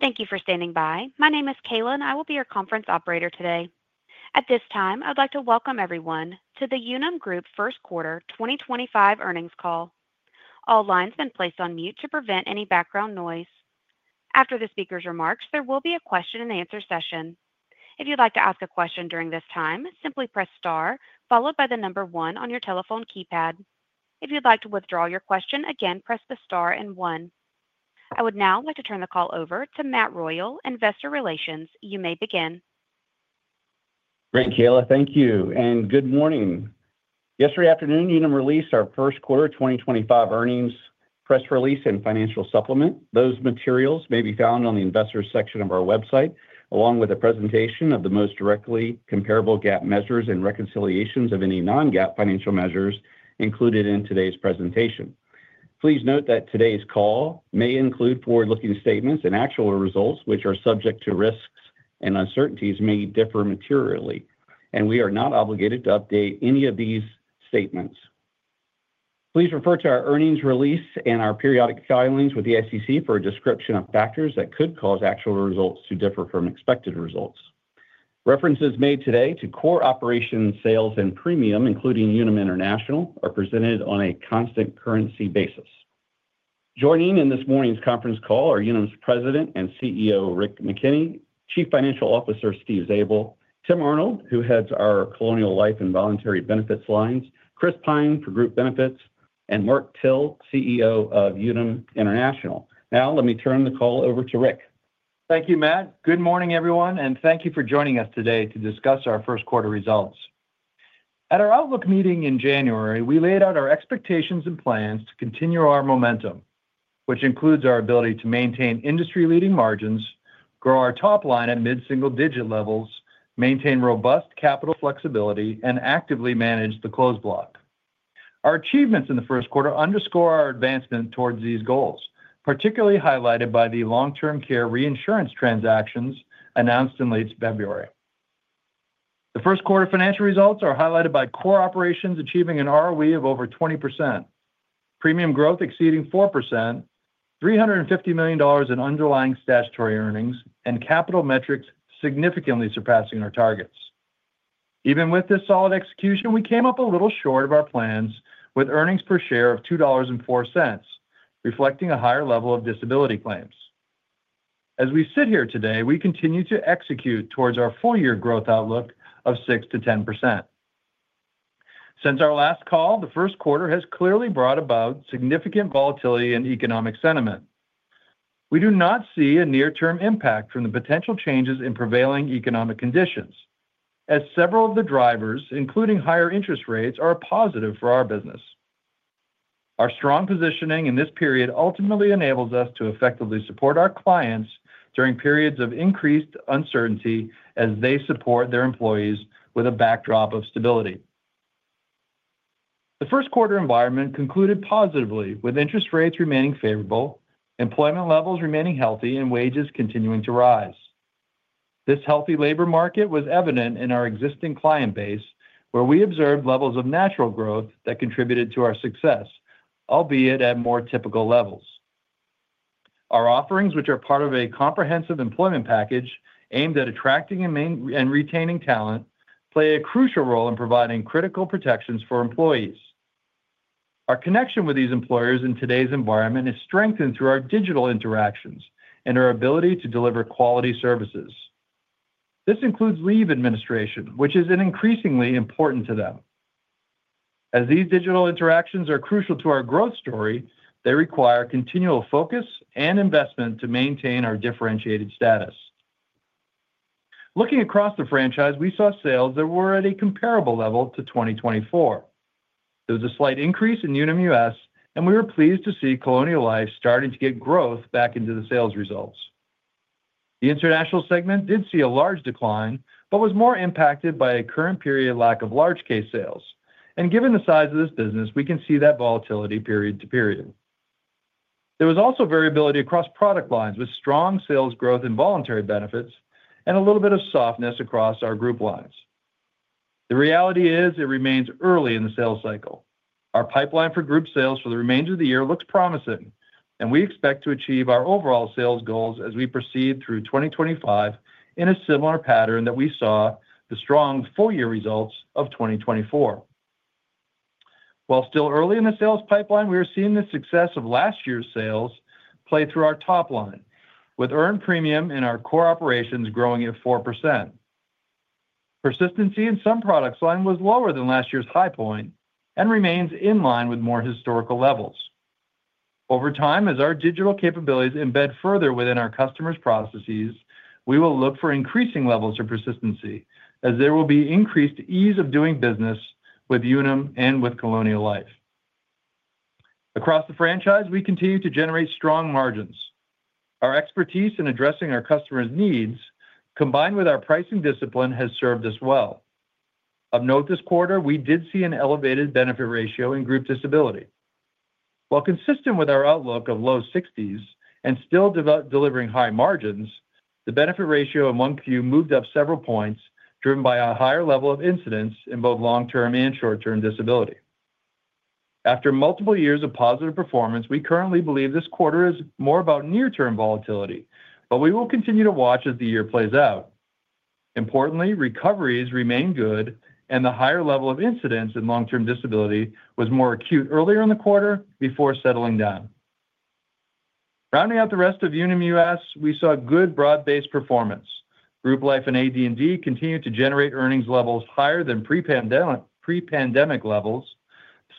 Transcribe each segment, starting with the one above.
Thank you for standing by. My name is Kayla, and I will be your conference operator today. At this time, I'd like to welcome everyone to the Unum Group First Quarter 2025 Earnings Call. All lines have been placed on mute to prevent any background noise. After the speakers' remarks, there will be a question-and-answer session. If you'd like to ask a question during this time, simply press star followed by the number one on your telephone keypad. If you'd like to withdraw your question, again, press the star and one. I would now like to turn the call over to Matt Royal, Investor Relations. You may begin. Great, Kayla. Thank you, and good morning. Yesterday afternoon, Unum released our First Quarter 2025 earnings press release and financial supplement. Those materials may be found on the investors' section of our website, along with a presentation of the most directly comparable GAAP measures and reconciliations of any non-GAAP financial measures included in today's presentation. Please note that today's call may include forward-looking statements and actual results, which are subject to risks and uncertainties, may differ materially, and we are not obligated to update any of these statements. Please refer to our earnings release and our periodic filings with the SEC for a description of factors that could cause actual results to differ from expected results. References made today to core operations, sales, and premium, including Unum International, are presented on a constant currency basis. Joining in this morning's conference call are Unum's President and CEO, Rick McKenney, Chief Financial Officer, Steve Zabel, Tim Arnold, who heads our Colonial Life and Voluntary Benefits lines, Chris Pyne for Group Benefits, and Mark Till, CEO of Unum International. Now, let me turn the call over to Rick. Thank you, Matt. Good morning, everyone, and thank you for joining us today to discuss our first quarter results. At our Outlook meeting in January, we laid out our expectations and plans to continue our momentum, which includes our ability to maintain industry-leading margins, grow our top line at mid-single-digit levels, maintain robust capital flexibility, and actively manage the closed block. Our achievements in the first quarter underscore our advancement towards these goals, particularly highlighted by the long-term care reinsurance transactions announced in late February. The first quarter financial results are highlighted by core operations achieving an ROE of over 20%, premium growth exceeding 4%, $350 million in underlying statutory earnings, and capital metrics significantly surpassing our targets. Even with this solid execution, we came up a little short of our plans with earnings per share of $2.04, reflecting a higher level of disability claims. As we sit here today, we continue to execute towards our full-year growth outlook of 6%-10%. Since our last call, the first quarter has clearly brought about significant volatility in economic sentiment. We do not see a near-term impact from the potential changes in prevailing economic conditions, as several of the drivers, including higher interest rates, are positive for our business. Our strong positioning in this period ultimately enables us to effectively support our clients during periods of increased uncertainty as they support their employees with a backdrop of stability. The first quarter environment concluded positively, with interest rates remaining favorable, employment levels remaining healthy, and wages continuing to rise. This healthy labor market was evident in our existing client base, where we observed levels of natural growth that contributed to our success, albeit at more typical levels. Our offerings, which are part of a comprehensive employment package aimed at attracting and retaining talent, play a crucial role in providing critical protections for employees. Our connection with these employers in today's environment is strengthened through our digital interactions and our ability to deliver quality services. This includes leave administration, which is increasingly important to them. As these digital interactions are crucial to our growth story, they require continual focus and investment to maintain our differentiated status. Looking across the franchise, we saw sales that were at a comparable level to 2024. There was a slight increase in Unum U.S., and we were pleased to see Colonial Life starting to get growth back into the sales results. The international segment did see a large decline but was more impacted by a current period lack of large-case sales. Given the size of this business, we can see that volatility period to period. There was also variability across product lines with strong sales growth in voluntary benefits and a little bit of softness across our group lines. The reality is it remains early in the sales cycle. Our pipeline for group sales for the remainder of the year looks promising, and we expect to achieve our overall sales goals as we proceed through 2025 in a similar pattern that we saw with the strong full-year results of 2024. While still early in the sales pipeline, we are seeing the success of last year's sales play through our top line, with earned premium in our core operations growing at 4%. Persistency in some products line was lower than last year's high point and remains in line with more historical levels. Over time, as our digital capabilities embed further within our customers' processes, we will look for increasing levels of persistency as there will be increased ease of doing business with Unum and with Colonial Life. Across the franchise, we continue to generate strong margins. Our expertise in addressing our customers' needs, combined with our pricing discipline, has served us well. Of note, this quarter, we did see an elevated benefit ratio in group disability. While consistent with our outlook of low 60s and still delivering high margins, the benefit ratio among few moved up several points, driven by a higher level of incidence in both long-term and short-term disability. After multiple years of positive performance, we currently believe this quarter is more about near-term volatility, but we will continue to watch as the year plays out. Importantly, recoveries remain good, and the higher level of incidence in long-term disability was more acute earlier in the quarter before settling down. Rounding out the rest of Unum U.S., we saw good broad-based performance. Group Life and AD&D continued to generate earnings levels higher than pre-pandemic levels.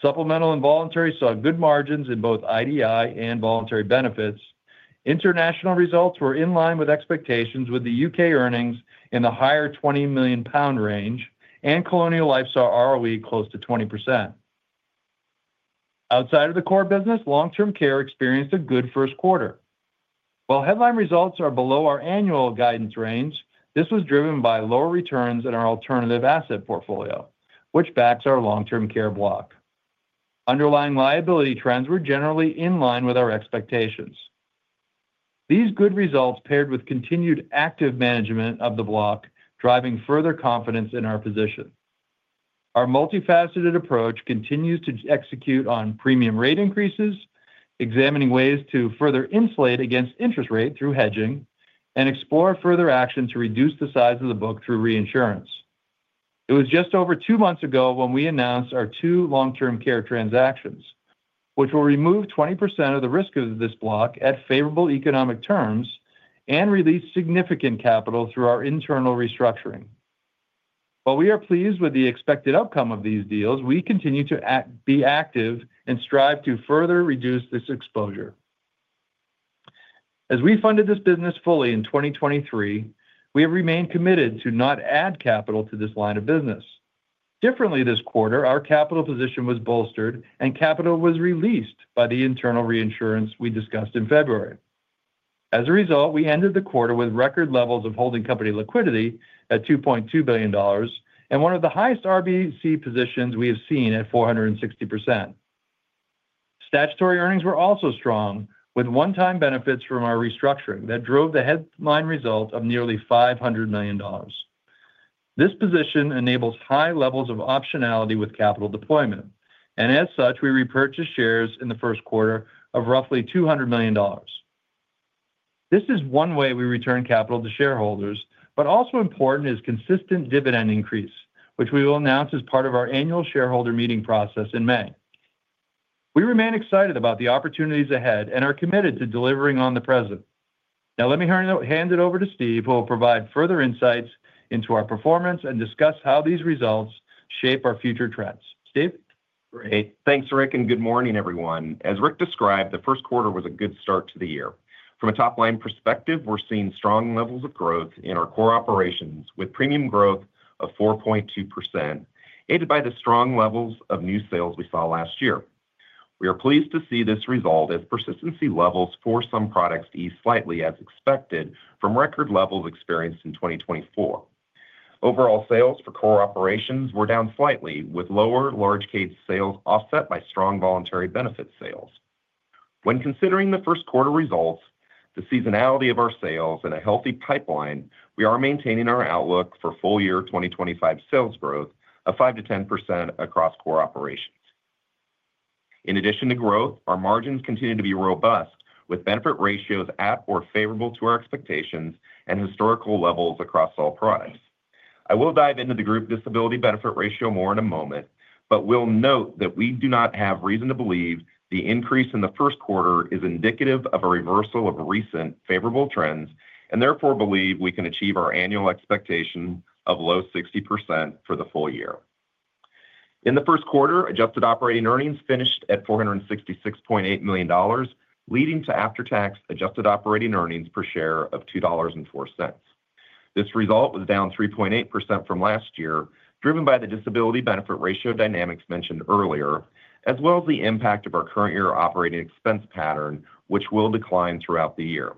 Supplemental and voluntary saw good margins in both IDI and voluntary benefits. International results were in line with expectations, with the U.K. earnings in the higher 20 million pound range and Colonial Life saw ROE close to 20%. Outside of the core business, long-term care experienced a good first quarter. While headline results are below our annual guidance range, this was driven by lower returns in our alternative asset portfolio, which backs our long-term care block. Underlying liability trends were generally in line with our expectations. These good results paired with continued active management of the block driving further confidence in our position. Our multifaceted approach continues to execute on premium rate increases, examining ways to further insulate against interest rate through hedging, and explore further action to reduce the size of the book through reinsurance. It was just over two months ago when we announced our two long-term care transactions, which will remove 20% of the risk of this block at favorable economic terms and release significant capital through our internal restructuring. While we are pleased with the expected outcome of these deals, we continue to be active and strive to further reduce this exposure. As we funded this business fully in 2023, we have remained committed to not add capital to this line of business. Differently this quarter, our capital position was bolstered and capital was released by the internal reinsurance we discussed in February. As a result, we ended the quarter with record levels of holding company liquidity at $2.2 billion and one of the highest RBC positions we have seen at 460%. Statutory earnings were also strong, with one-time benefits from our restructuring that drove the headline result of nearly $500 million. This position enables high levels of optionality with capital deployment, and as such, we repurchased shares in the first quarter of roughly $200 million. This is one way we return capital to shareholders, but also important is consistent dividend increase, which we will announce as part of our annual shareholder meeting process in May. We remain excited about the opportunities ahead and are committed to delivering on the present. Now, let me hand it over to Steve, who will provide further insights into our performance and discuss how these results shape our future trends. Steve? Great. Thanks, Rick, and good morning, everyone. As Rick described, the first quarter was a good start to the year. From a top-line perspective, we're seeing strong levels of growth in our core operations with premium growth of 4.2%, aided by the strong levels of new sales we saw last year. We are pleased to see this result as persistency levels for some products eased slightly, as expected, from record levels experienced in 2024. Overall sales for core operations were down slightly, with lower large-case sales offset by strong voluntary benefit sales. When considering the first quarter results, the seasonality of our sales, and a healthy pipeline, we are maintaining our outlook for full-year 2025 sales growth of 5%-10% across core operations. In addition to growth, our margins continue to be robust, with benefit ratios at or favorable to our expectations and historical levels across all products. I will dive into the group disability benefit ratio more in a moment, but will note that we do not have reason to believe the increase in the first quarter is indicative of a reversal of recent favorable trends and therefore believe we can achieve our annual expectation of low 60% for the full year. In the first quarter, adjusted operating earnings finished at $466.8 million, leading to after-tax adjusted operating earnings per share of $2.04. This result was down 3.8% from last year, driven by the disability benefit ratio dynamics mentioned earlier, as well as the impact of our current year operating expense pattern, which will decline throughout the year.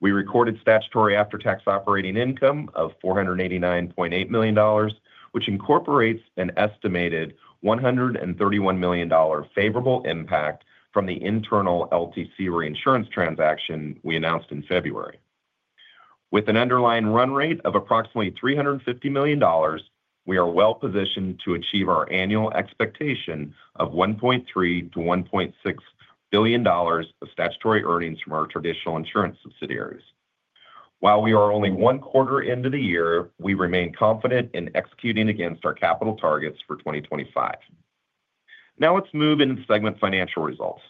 We recorded statutory after-tax operating income of $489.8 million, which incorporates an estimated $131 million favorable impact from the internal LTC reinsurance transaction we announced in February. With an underlying run rate of approximately $350 million, we are well positioned to achieve our annual expectation of $1.3 billion-$1.6 billion of statutory earnings from our traditional insurance subsidiaries. While we are only one quarter into the year, we remain confident in executing against our capital targets for 2025. Now, let's move into the segment financial results.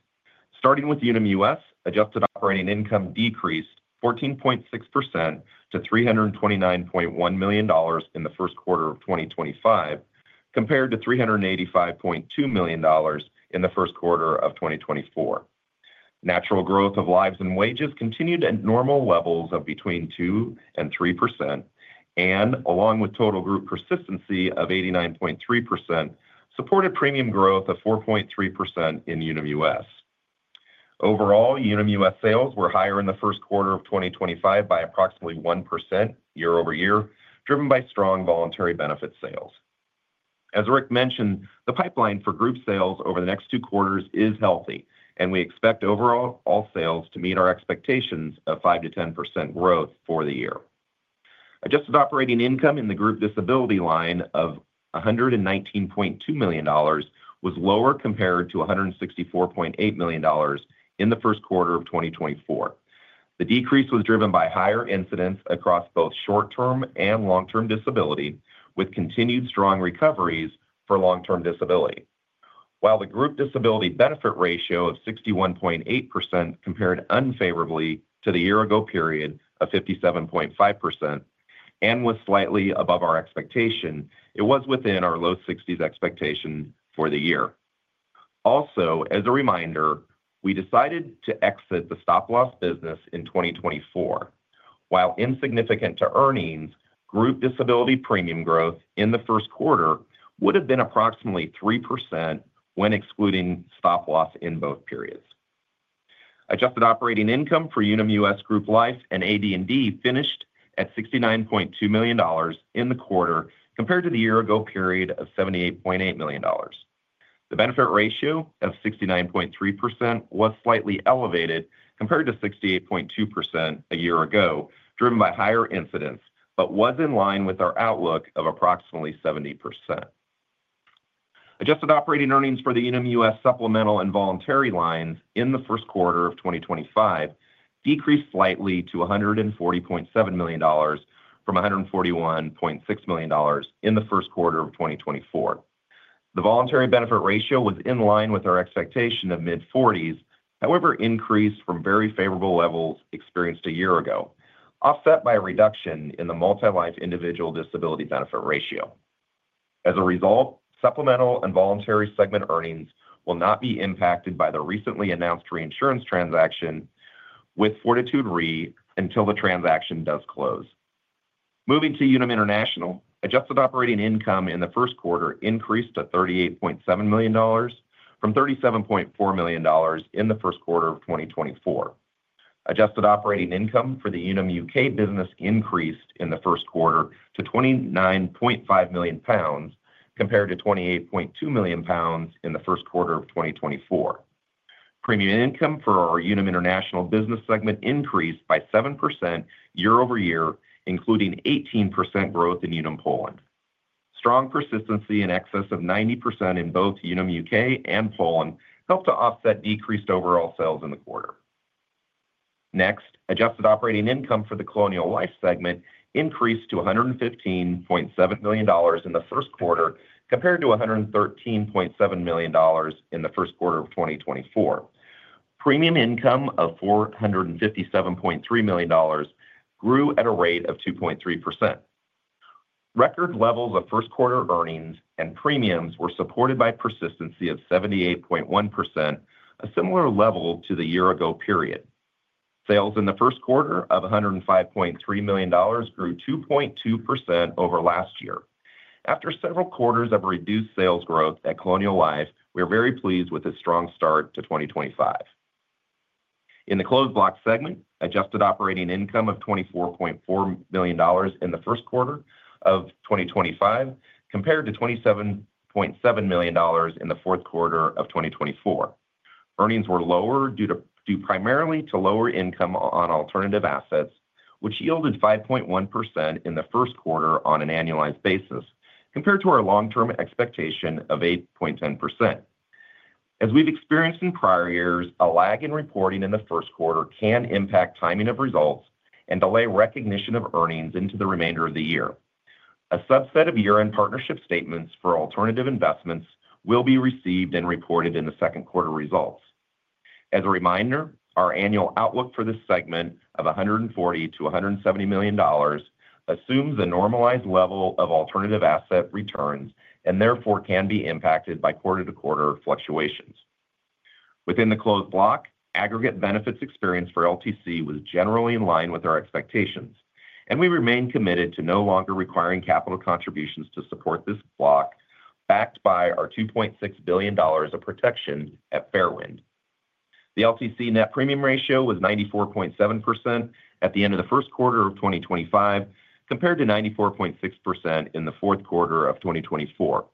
Starting with Unum U.S., adjusted operating income decreased 14.6% to $329.1 million in the first quarter of 2025, compared to $385.2 million in the first quarter of 2024. Natural growth of lives and wages continued at normal levels of between 2% and 3%, and along with total group persistency of 89.3%, supported premium growth of 4.3% in Unum U.S.. Overall, Unum U.S. sales were higher in the first quarter of 2025 by approximately 1% year over year, driven by strong voluntary benefit sales. As Rick mentioned, the pipeline for group sales over the next two quarters is healthy, and we expect overall all sales to meet our expectations of 5%-10% growth for the year. Adjusted operating income in the group disability line of $119.2 million was lower compared to $164.8 million in the first quarter of 2024. The decrease was driven by higher incidence across both short-term and long-term disability, with continued strong recoveries for long-term disability. While the group disability benefit ratio of 61.8% compared unfavorably to the year-ago period of 57.5% and was slightly above our expectation, it was within our low 60s expectation for the year. Also, as a reminder, we decided to exit the stop-loss business in 2024. While insignificant to earnings, group disability premium growth in the first quarter would have been approximately 3% when excluding stop-loss in both periods. Adjusted operating income for Unum U.S. Group Life and AD&D finished at $69.2 million in the quarter compared to the year-ago period of $78.8 million. The benefit ratio of 69.3% was slightly elevated compared to 68.2% a year ago, driven by higher incidence, but was in line with our outlook of approximately 70%. Adjusted operating earnings for the Unum U.S. supplemental and voluntary lines in the first quarter of 2025 decreased slightly to $140.7 million from $141.6 million in the first quarter of 2024. The voluntary benefit ratio was in line with our expectation of mid-40s, however increased from very favorable levels experienced a year ago, offset by a reduction in the multi-life individual disability benefit ratio. As a result, supplemental and voluntary segment earnings will not be impacted by the recently announced reinsurance transaction with Fortitude Re until the transaction does close. Moving to Unum International, adjusted operating income in the first quarter increased to $38.7 million from $37.4 million in the first quarter of 2024. Adjusted operating income for the Unum U.K. business increased in the first quarter to 29.5 million pounds compared to 28.2 million pounds in the first quarter of 2024. Premium income for our Unum International business segment increased by 7% year over year, including 18% growth in Unum Poland. Strong persistency in excess of 90% in both Unum U.K. and Poland helped to offset decreased overall sales in the quarter. Next, adjusted operating income for the Colonial Life segment increased to $115.7 million in the first quarter compared to $113.7 million in the first quarter of 2024. Premium income of $457.3 million grew at a rate of 2.3%. Record levels of first quarter earnings and premiums were supported by persistency of 78.1%, a similar level to the year-ago period. Sales in the first quarter of $105.3 million grew 2.2% over last year. After several quarters of reduced sales growth at Colonial Life, we are very pleased with this strong start to 2025. In the closed block segment, adjusted operating income of $24.4 million in the first quarter of 2025 compared to $27.7 million in the fourth quarter of 2024. Earnings were lower due primarily to lower income on alternative assets, which yielded 5.1% in the first quarter on an annualized basis compared to our long-term expectation of 8.10%. As we've experienced in prior years, a lag in reporting in the first quarter can impact timing of results and delay recognition of earnings into the remainder of the year. A subset of year-end partnership statements for alternative investments will be received and reported in the second quarter results. As a reminder, our annual outlook for this segment of $140 million-$170 million assumes a normalized level of alternative asset returns and therefore can be impacted by quarter-to-quarter fluctuations. Within the closed block, aggregate benefits experience for LTC was generally in line with our expectations, and we remain committed to no longer requiring capital contributions to support this block backed by our $2.6 billion of protection at Fairwind. The LTC net premium ratio was 94.7% at the end of the first quarter of 2025 compared to 94.6% in the fourth quarter of 2024.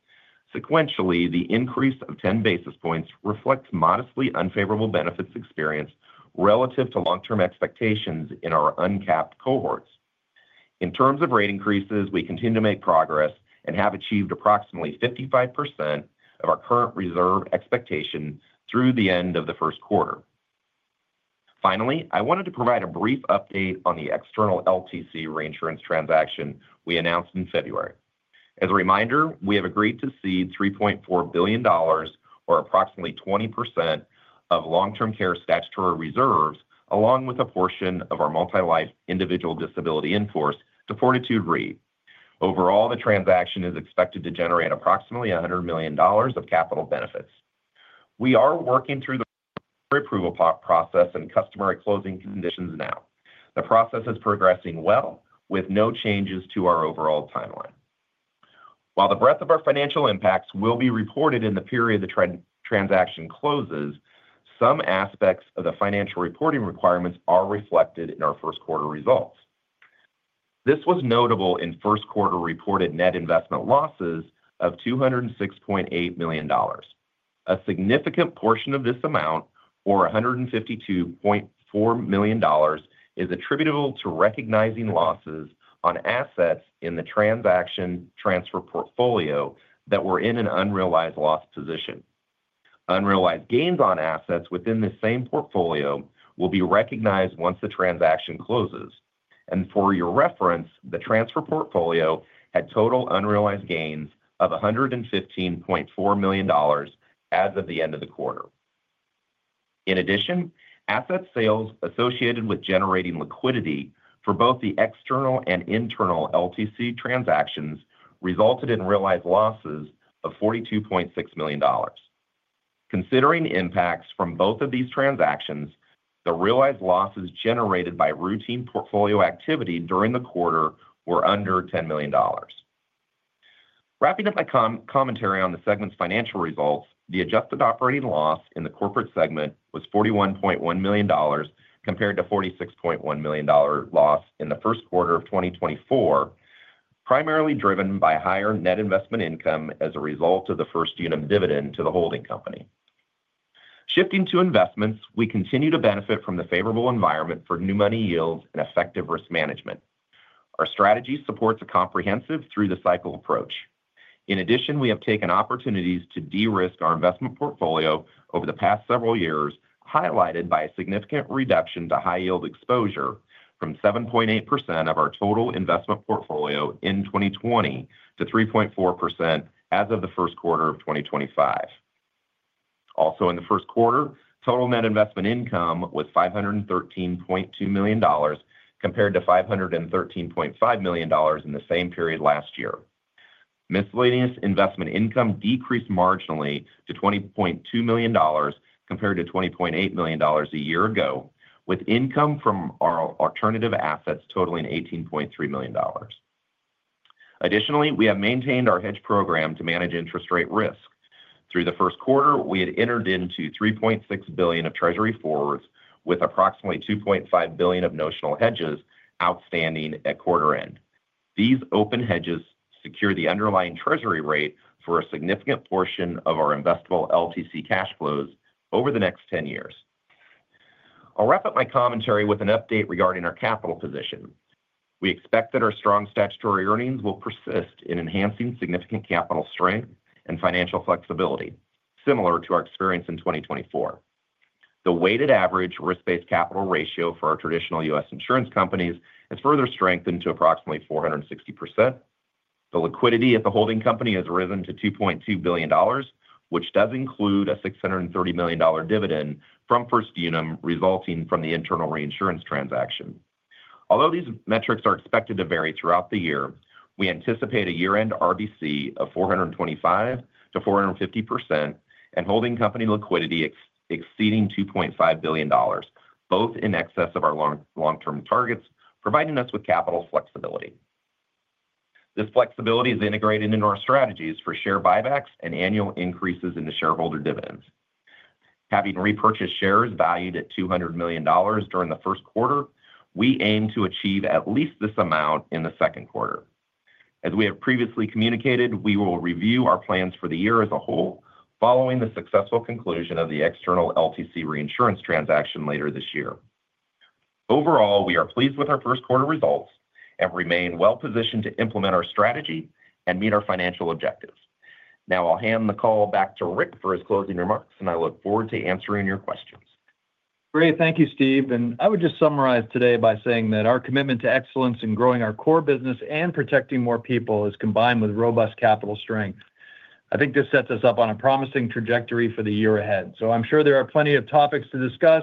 Sequentially, the increase of 10 basis points reflects modestly unfavorable benefits experienced relative to long-term expectations in our uncapped cohorts. In terms of rate increases, we continue to make progress and have achieved approximately 55% of our current reserve expectation through the end of the first quarter. Finally, I wanted to provide a brief update on the external LTC reinsurance transaction we announced in February. As a reminder, we have agreed to cede $3.4 billion, or approximately 20% of long-term care statutory reserves, along with a portion of our multi-life individual disability in force to Fortitude Re. Overall, the transaction is expected to generate approximately $100 million of capital benefits. We are working through the pre-approval process and customary closing conditions now. The process is progressing well with no changes to our overall timeline. While the breadth of our financial impacts will be reported in the period the transaction closes, some aspects of the financial reporting requirements are reflected in our first quarter results. This was notable in first quarter reported net investment losses of $206.8 million. A significant portion of this amount, or $152.4 million, is attributable to recognizing losses on assets in the transaction transfer portfolio that were in an unrealized loss position. Unrealized gains on assets within the same portfolio will be recognized once the transaction closes. For your reference, the transfer portfolio had total unrealized gains of $115.4 million as of the end of the quarter. In addition, asset sales associated with generating liquidity for both the external and internal LTC transactions resulted in realized losses of $42.6 million. Considering impacts from both of these transactions, the realized losses generated by routine portfolio activity during the quarter were under $10 million. Wrapping up my commentary on the segment's financial results, the adjusted operating loss in the corporate segment was $41.1 million compared to $46.1 million loss in the first quarter of 2024, primarily driven by higher net investment income as a result of the first unit dividend to the holding company. Shifting to investments, we continue to benefit from the favorable environment for new money yields and effective risk management. Our strategy supports a comprehensive through-the-cycle approach. In addition, we have taken opportunities to de-risk our investment portfolio over the past several years, highlighted by a significant reduction to high-yield exposure from 7.8% of our total investment portfolio in 2020 to 3.4% as of the first quarter of 2025. Also, in the first quarter, total net investment income was $513.2 million compared to $513.5 million in the same period last year. Miscellaneous investment income decreased marginally to $20.2 million compared to $20.8 million a year ago, with income from our alternative assets totaling $18.3 million. Additionally, we have maintained our hedge program to manage interest rate risk. Through the first quarter, we had entered into $3.6 billion of treasury forwards with approximately $2.5 billion of notional hedges outstanding at quarter end. These open hedges secure the underlying treasury rate for a significant portion of our investable LTC cash flows over the next 10 years. I'll wrap up my commentary with an update regarding our capital position. We expect that our strong statutory earnings will persist in enhancing significant capital strength and financial flexibility, similar to our experience in 2024. The weighted average risk-based capital ratio for our traditional U.S. insurance companies has further strengthened to approximately 460%. The liquidity at the holding company has risen to $2.2 billion, which does include a $630 million dividend from first unit resulting from the internal reinsurance transaction. Although these metrics are expected to vary throughout the year, we anticipate a year-end RBC of 425%-450% and holding company liquidity exceeding $2.5 billion, both in excess of our long-term targets, providing us with capital flexibility. This flexibility is integrated into our strategies for share buybacks and annual increases in the shareholder dividends. Having repurchased shares valued at $200 million during the first quarter, we aim to achieve at least this amount in the second quarter. As we have previously communicated, we will review our plans for the year as a whole following the successful conclusion of the external LTC reinsurance transaction later this year. Overall, we are pleased with our first quarter results and remain well-positioned to implement our strategy and meet our financial objectives. Now, I'll hand the call back to Rick for his closing remarks, and I look forward to answering your questions. Great. Thank you, Steve. I would just summarize today by saying that our commitment to excellence in growing our core business and protecting more people is combined with robust capital strength. I think this sets us up on a promising trajectory for the year ahead. I am sure there are plenty of topics to discuss.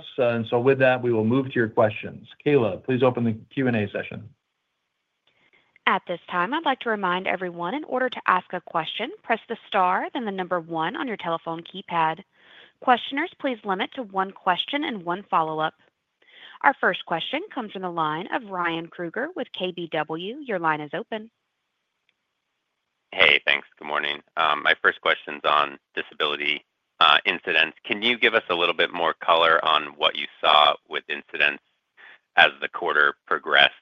With that, we will move to your questions. Kayla, please open the Q&A session. At this time, I'd like to remind everyone in order to ask a question, press the star, then the number one on your telephone keypad. Questioners, please limit to one question and one follow-up. Our first question comes from the line of Ryan Krueger with KBW. Your line is open. Hey, thanks. Good morning. My first question's on disability incidence. Can you give us a little bit more color on what you saw with incidence as the quarter progressed?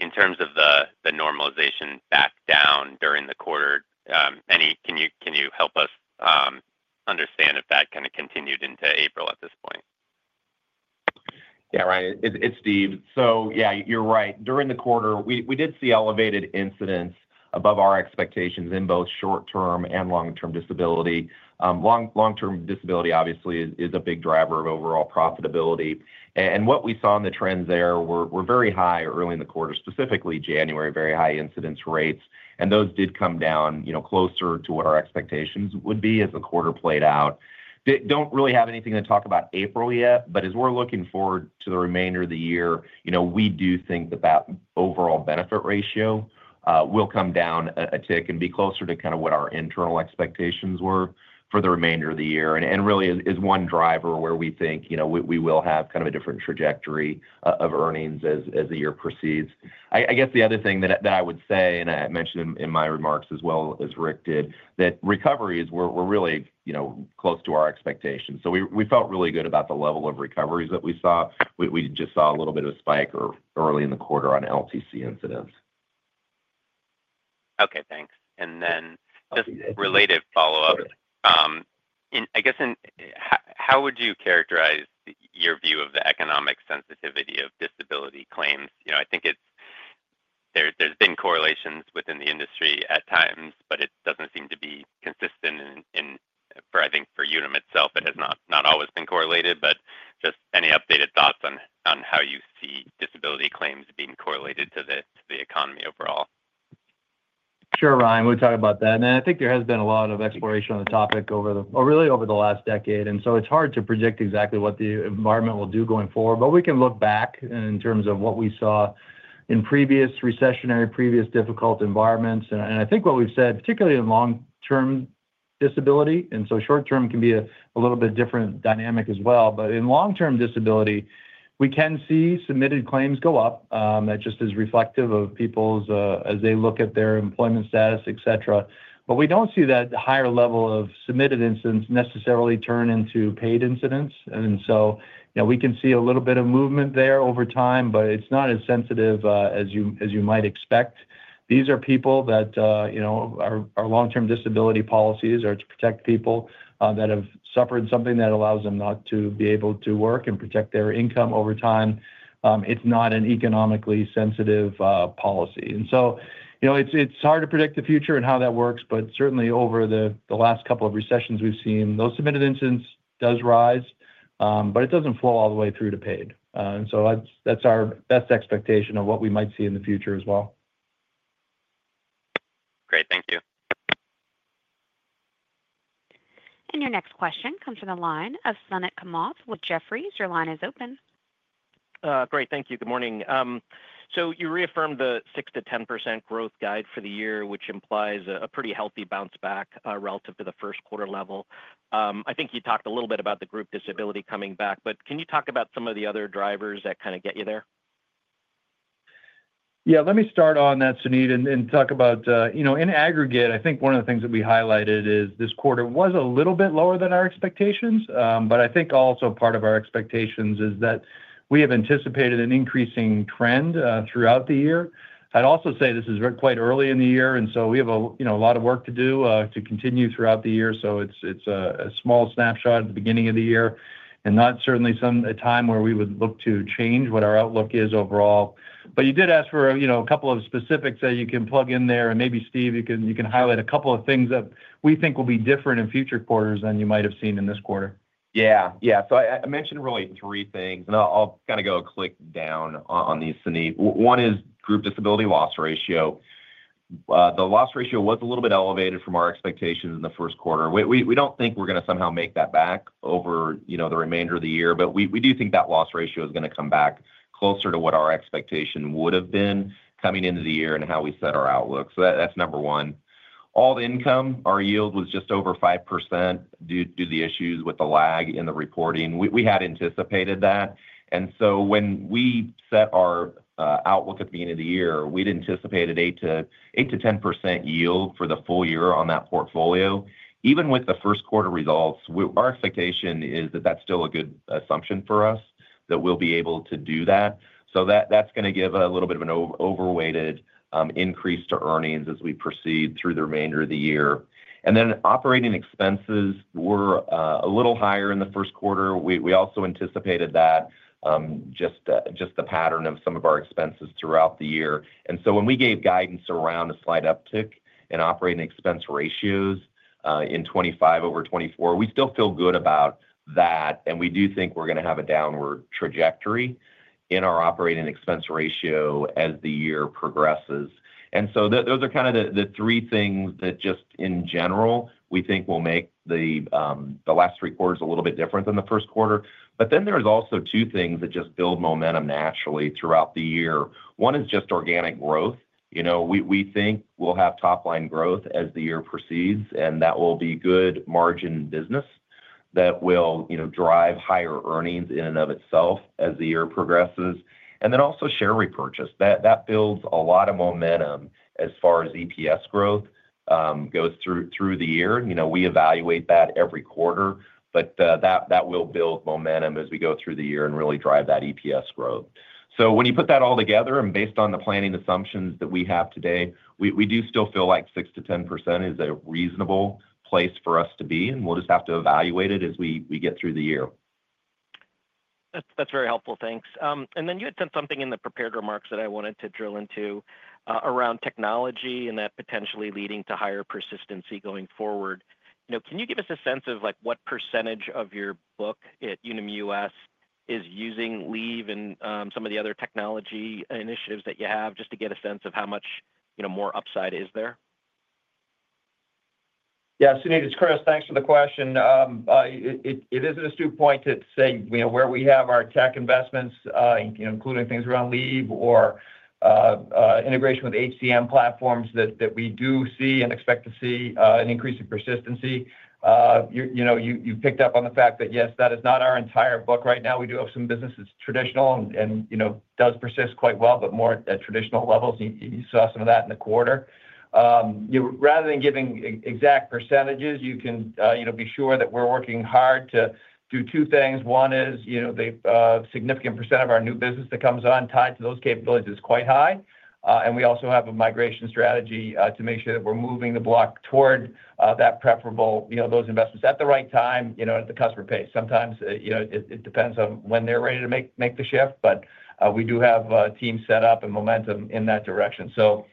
In terms of the normalization back down during the quarter, can you help us understand if that kind of continued into April at this point? Yeah, Ryan, it's Steve. Yeah, you're right. During the quarter, we did see elevated incidence above our expectations in both short-term and long-term disability. Long-term disability, obviously, is a big driver of overall profitability. What we saw in the trends there were very high early in the quarter, specifically January, very high incidence rates. Those did come down closer to what our expectations would be as the quarter played out. Don't really have anything to talk about April yet, but as we're looking forward to the remainder of the year, we do think that that overall benefit ratio will come down a tick and be closer to kind of what our internal expectations were for the remainder of the year. That really is one driver where we think we will have kind of a different trajectory of earnings as the year proceeds. I guess the other thing that I would say, and I mentioned in my remarks as well as Rick did, that recoveries were really close to our expectations. We felt really good about the level of recoveries that we saw. We just saw a little bit of a spike early in the quarter on LTC incidents. Okay, thanks. Just related follow-up, I guess how would you characterize your view of the economic sensitivity of disability claims? I think there's been correlations within the industry at times, but it doesn't seem to be consistent. I think for Unum itself, it has not always been correlated. Just any updated thoughts on how you see disability claims being correlated to the economy overall? Sure, Ryan. We'll talk about that. I think there has been a lot of exploration on the topic really over the last decade. It's hard to predict exactly what the environment will do going forward. We can look back in terms of what we saw in previous recessionary, previous difficult environments. I think what we've said, particularly in long-term disability, and short-term can be a little bit different dynamic as well. In long-term disability, we can see submitted claims go up. That just is reflective of people as they look at their employment status, etc. We do not see that higher level of submitted incidents necessarily turn into paid incidents. We can see a little bit of movement there over time, but it is not as sensitive as you might expect. These are people that our long-term disability policies are to protect, people that have suffered something that allows them not to be able to work and protect their income over time. It is not an economically sensitive policy. It is hard to predict the future and how that works, but certainly over the last couple of recessions we have seen, those submitted incidents do rise, but it does not flow all the way through to paid. That is our best expectation of what we might see in the future as well. Great. Thank you. Your next question comes from the line of Suneet Kamath with Jefferies. Your line is open. Great. Thank you. Good morning. You reaffirmed the 6%-10% growth guide for the year, which implies a pretty healthy bounce back relative to the first quarter level. I think you talked a little bit about the group disability coming back, but can you talk about some of the other drivers that kind of get you there? Yeah, let me start on that, Suneet, and talk about in aggregate, I think one of the things that we highlighted is this quarter was a little bit lower than our expectations. I think also part of our expectations is that we have anticipated an increasing trend throughout the year. I'd also say this is quite early in the year, and so we have a lot of work to do to continue throughout the year. It's a small snapshot at the beginning of the year and not certainly a time where we would look to change what our outlook is overall. You did ask for a couple of specifics that you can plug in there. Maybe, Steve, you can highlight a couple of things that we think will be different in future quarters than you might have seen in this quarter. Yeah. I mentioned really three things, and I'll kind of go click down on these, Suneet. One is group disability loss ratio. The loss ratio was a little bit elevated from our expectations in the first quarter. We don't think we're going to somehow make that back over the remainder of the year, but we do think that loss ratio is going to come back closer to what our expectation would have been coming into the year and how we set our outlook. That's number one. All the income, our yield was just over 5% due to the issues with the lag in the reporting. We had anticipated that. When we set our outlook at the beginning of the year, we'd anticipated 8%-10% yield for the full year on that portfolio. Even with the first quarter results, our expectation is that that's still a good assumption for us that we'll be able to do that. That's going to give a little bit of an overweighted increase to earnings as we proceed through the remainder of the year. Operating expenses were a little higher in the first quarter. We also anticipated that just the pattern of some of our expenses throughout the year. When we gave guidance around a slight uptick in operating expense ratios in 2025 over 2024, we still feel good about that. We do think we're going to have a downward trajectory in our operating expense ratio as the year progresses. Those are kind of the three things that just in general, we think will make the last three quarters a little bit different than the first quarter. There are also two things that just build momentum naturally throughout the year. One is just organic growth. We think we'll have top-line growth as the year proceeds, and that will be good margin business that will drive higher earnings in and of itself as the year progresses. Share repurchase builds a lot of momentum as far as EPS growth goes through the year. We evaluate that every quarter, but that will build momentum as we go through the year and really drive that EPS growth. When you put that all together, and based on the planning assumptions that we have today, we do still feel like 6%-10% is a reasonable place for us to be. We will just have to evaluate it as we get through the year. That's very helpful. Thanks. You had said something in the prepared remarks that I wanted to drill into around technology and that potentially leading to higher persistency going forward. Can you give us a sense of what percentage of your book at Unum U.S. is using Leave and some of the other technology initiatives that you have just to get a sense of how much more upside is there? Yeah, Suneet, it's Chris. Thanks for the question. It is an astute point to say where we have our tech investments, including things around Leave or integration with HCM platforms that we do see and expect to see an increase in persistency. You picked up on the fact that, yes, that is not our entire book right now. We do have some business that's traditional and does persist quite well, but more at traditional levels. You saw some of that in the quarter. Rather than giving exact percentages, you can be sure that we're working hard to do two things. One is the significant percent of our new business that comes on tied to those capabilities is quite high. We also have a migration strategy to make sure that we're moving the block toward that preferable, those investments at the right time at the customer pace. Sometimes it depends on when they're ready to make the shift, but we do have a team set up and momentum in that direction. It'll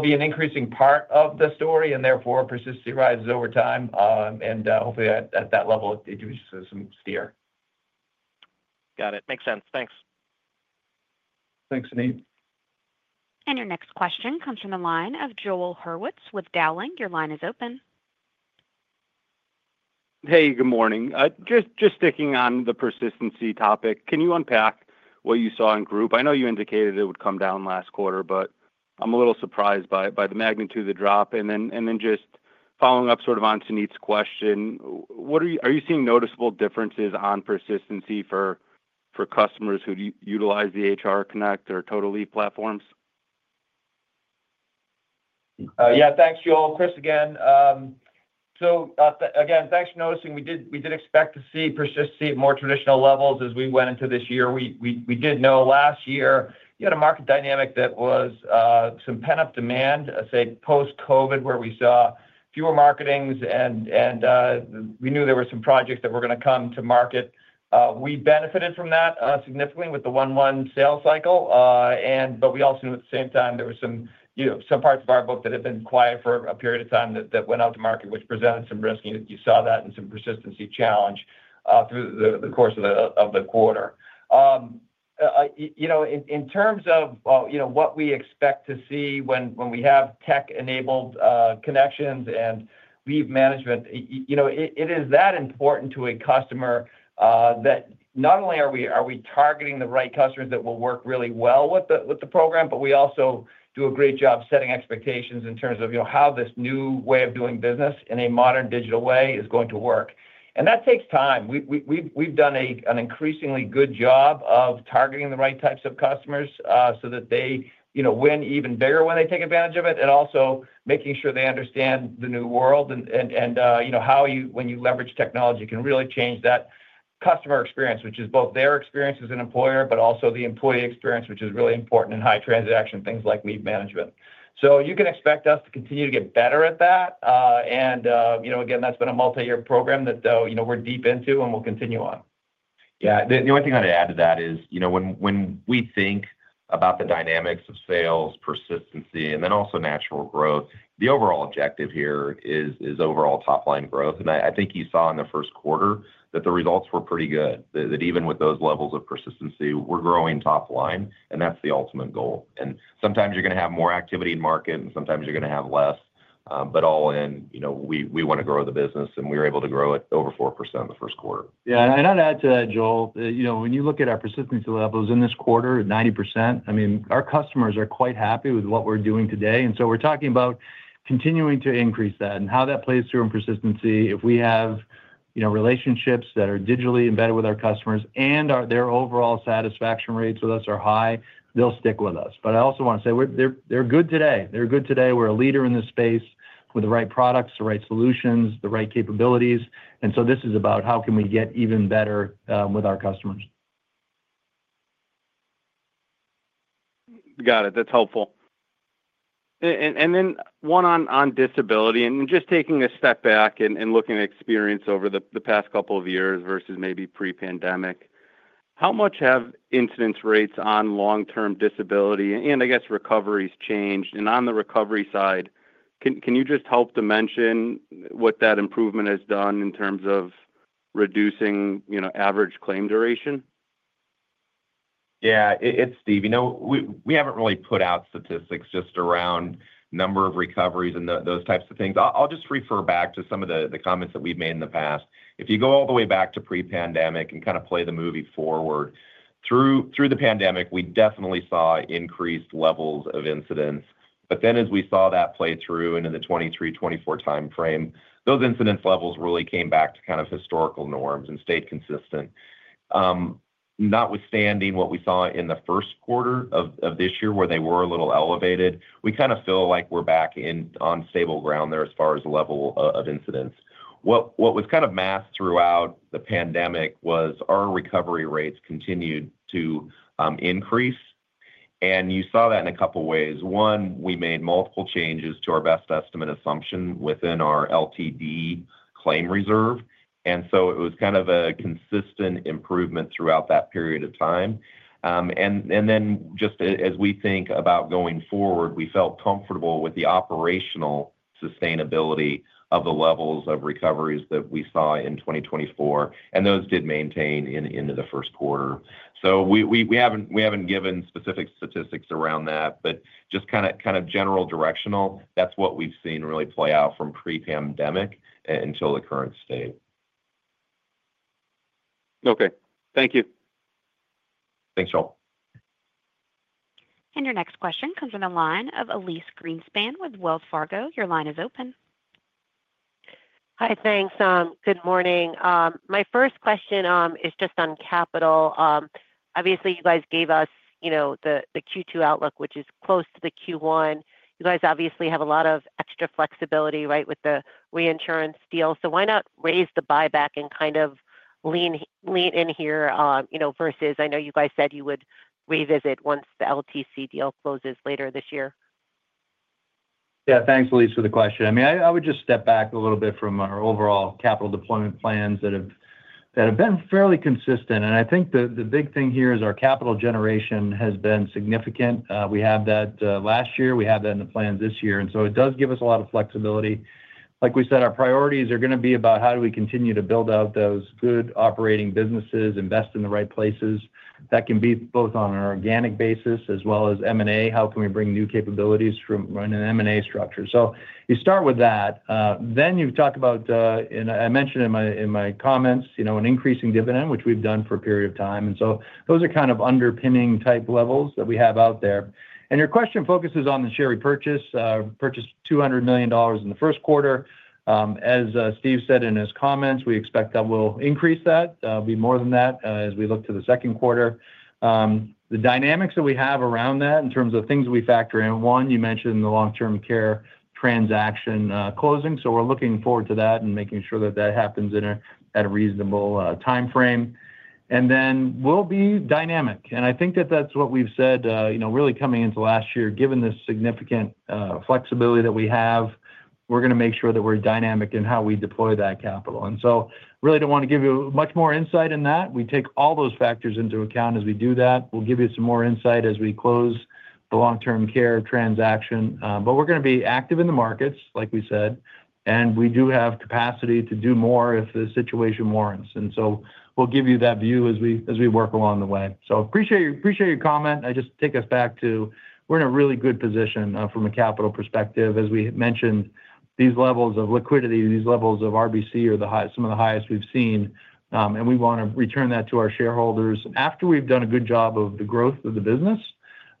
be an increasing part of the story, and therefore persistency rises over time. Hopefully at that level, it gives you some steer. Got it. Makes sense. Thanks. Thanks, Suneet. Your next question comes from the line of Joel Hurwitz with Dowling. Your line is open. Hey, good morning. Just sticking on the persistency topic, can you unpack what you saw in group? I know you indicated it would come down last quarter, but I'm a little surprised by the magnitude of the drop. Just following up sort of on Suneet's question, are you seeing noticeable differences on persistency for customers who utilize the HR Connect or Total Leave platforms? Yeah, thanks, Joel. Chris, again. Thanks for noticing. We did expect to see persistency at more traditional levels as we went into this year. We did know last year you had a market dynamic that was some pent-up demand, say, post-COVID, where we saw fewer marketings, and we knew there were some projects that were going to come to market. We benefited from that significantly with the one-to-one sales cycle. We also knew at the same time there were some parts of our book that had been quiet for a period of time that went out to market, which presented some risk. You saw that and some persistency challenge through the course of the quarter. In terms of what we expect to see when we have tech-enabled connections and leave management, it is that important to a customer that not only are we targeting the right customers that will work really well with the program, but we also do a great job setting expectations in terms of how this new way of doing business in a modern digital way is going to work. That takes time. We've done an increasingly good job of targeting the right types of customers so that they win even bigger when they take advantage of it, and also making sure they understand the new world and how, when you leverage technology, can really change that customer experience, which is both their experience as an employer, but also the employee experience, which is really important in high transaction things like leave management. You can expect us to continue to get better at that. Again, that's been a multi-year program that we're deep into and we'll continue on. Yeah. The only thing I'd add to that is when we think about the dynamics of sales, persistency, and then also natural growth, the overall objective here is overall top-line growth. I think you saw in the first quarter that the results were pretty good, that even with those levels of persistency, we're growing top line, and that's the ultimate goal. Sometimes you're going to have more activity in market, and sometimes you're going to have less. All in, we want to grow the business, and we were able to grow it over 4% in the first quarter. Yeah. I'd add to that, Joel, when you look at our persistency levels in this quarter, 90%, I mean, our customers are quite happy with what we're doing today. We're talking about continuing to increase that and how that plays through in persistency. If we have relationships that are digitally embedded with our customers and their overall satisfaction rates with us are high, they'll stick with us. I also want to say they're good today. They're good today. We're a leader in this space with the right products, the right solutions, the right capabilities. This is about how can we get even better with our customers. Got it. That's helpful. One on disability. Just taking a step back and looking at experience over the past couple of years versus maybe pre-pandemic, how much have incidence rates on long-term disability and, I guess, recovery changed? On the recovery side, can you just help to mention what that improvement has done in terms of reducing average claim duration? Yeah. It's Steve. We haven't really put out statistics just around number of recoveries and those types of things. I'll just refer back to some of the comments that we've made in the past. If you go all the way back to pre-pandemic and kind of play the movie forward, through the pandemic, we definitely saw increased levels of incidents. As we saw that play through into the 2023, 2024 timeframe, those incidents levels really came back to kind of historical norms and stayed consistent. Notwithstanding what we saw in the first quarter of this year where they were a little elevated, we kind of feel like we're back on stable ground there as far as level of incidents. What was kind of masked throughout the pandemic was our recovery rates continued to increase. You saw that in a couple of ways. One, we made multiple changes to our best estimate assumption within our LTD claim reserve. It was kind of a consistent improvement throughout that period of time. Just as we think about going forward, we felt comfortable with the operational sustainability of the levels of recoveries that we saw in 2024. Those did maintain into the first quarter. We have not given specific statistics around that, but just kind of general directional, that is what we have seen really play out from pre-pandemic until the current state. Okay. Thank you. Thanks, Joel. Your next question comes from the line of Elyse Greenspan with Wells Fargo. Your line is open. Hi. Thanks. Good morning. My first question is just on capital. Obviously, you guys gave us the Q2 outlook, which is close to the Q1. You guys obviously have a lot of extra flexibility, right, with the reinsurance deal. Why not raise the buyback and kind of lean in here versus I know you guys said you would revisit once the LTC deal closes later this year. Yeah. Thanks, Elyse, for the question. I mean, I would just step back a little bit from our overall capital deployment plans that have been fairly consistent. I think the big thing here is our capital generation has been significant. We had that last year. We had that in the plan this year. It does give us a lot of flexibility. Like we said, our priorities are going to be about how do we continue to build out those good operating businesses, invest in the right places. That can be both on an organic basis as well as M&A. How can we bring new capabilities from an M&A structure? You start with that. You talk about, and I mentioned in my comments, an increasing dividend, which we've done for a period of time. Those are kind of underpinning type levels that we have out there. Your question focuses on the share repurchase. Purchased $200 million in the first quarter. As Steve said in his comments, we expect that we'll increase that. It'll be more than that as we look to the second quarter. The dynamics that we have around that in terms of things we factor in, one, you mentioned the long-term care transaction closing. We are looking forward to that and making sure that that happens at a reasonable timeframe. We will be dynamic. I think that that's what we've said really coming into last year. Given the significant flexibility that we have, we're going to make sure that we're dynamic in how we deploy that capital. We really don't want to give you much more insight in that. We take all those factors into account as we do that. We'll give you some more insight as we close the long-term care transaction. We're going to be active in the markets, like we said, and we do have capacity to do more if the situation warrants. We'll give you that view as we work along the way. I appreciate your comment. I just take us back to we're in a really good position from a capital perspective. As we mentioned, these levels of liquidity, these levels of RBC are some of the highest we've seen. We want to return that to our shareholders after we've done a good job of the growth of the business,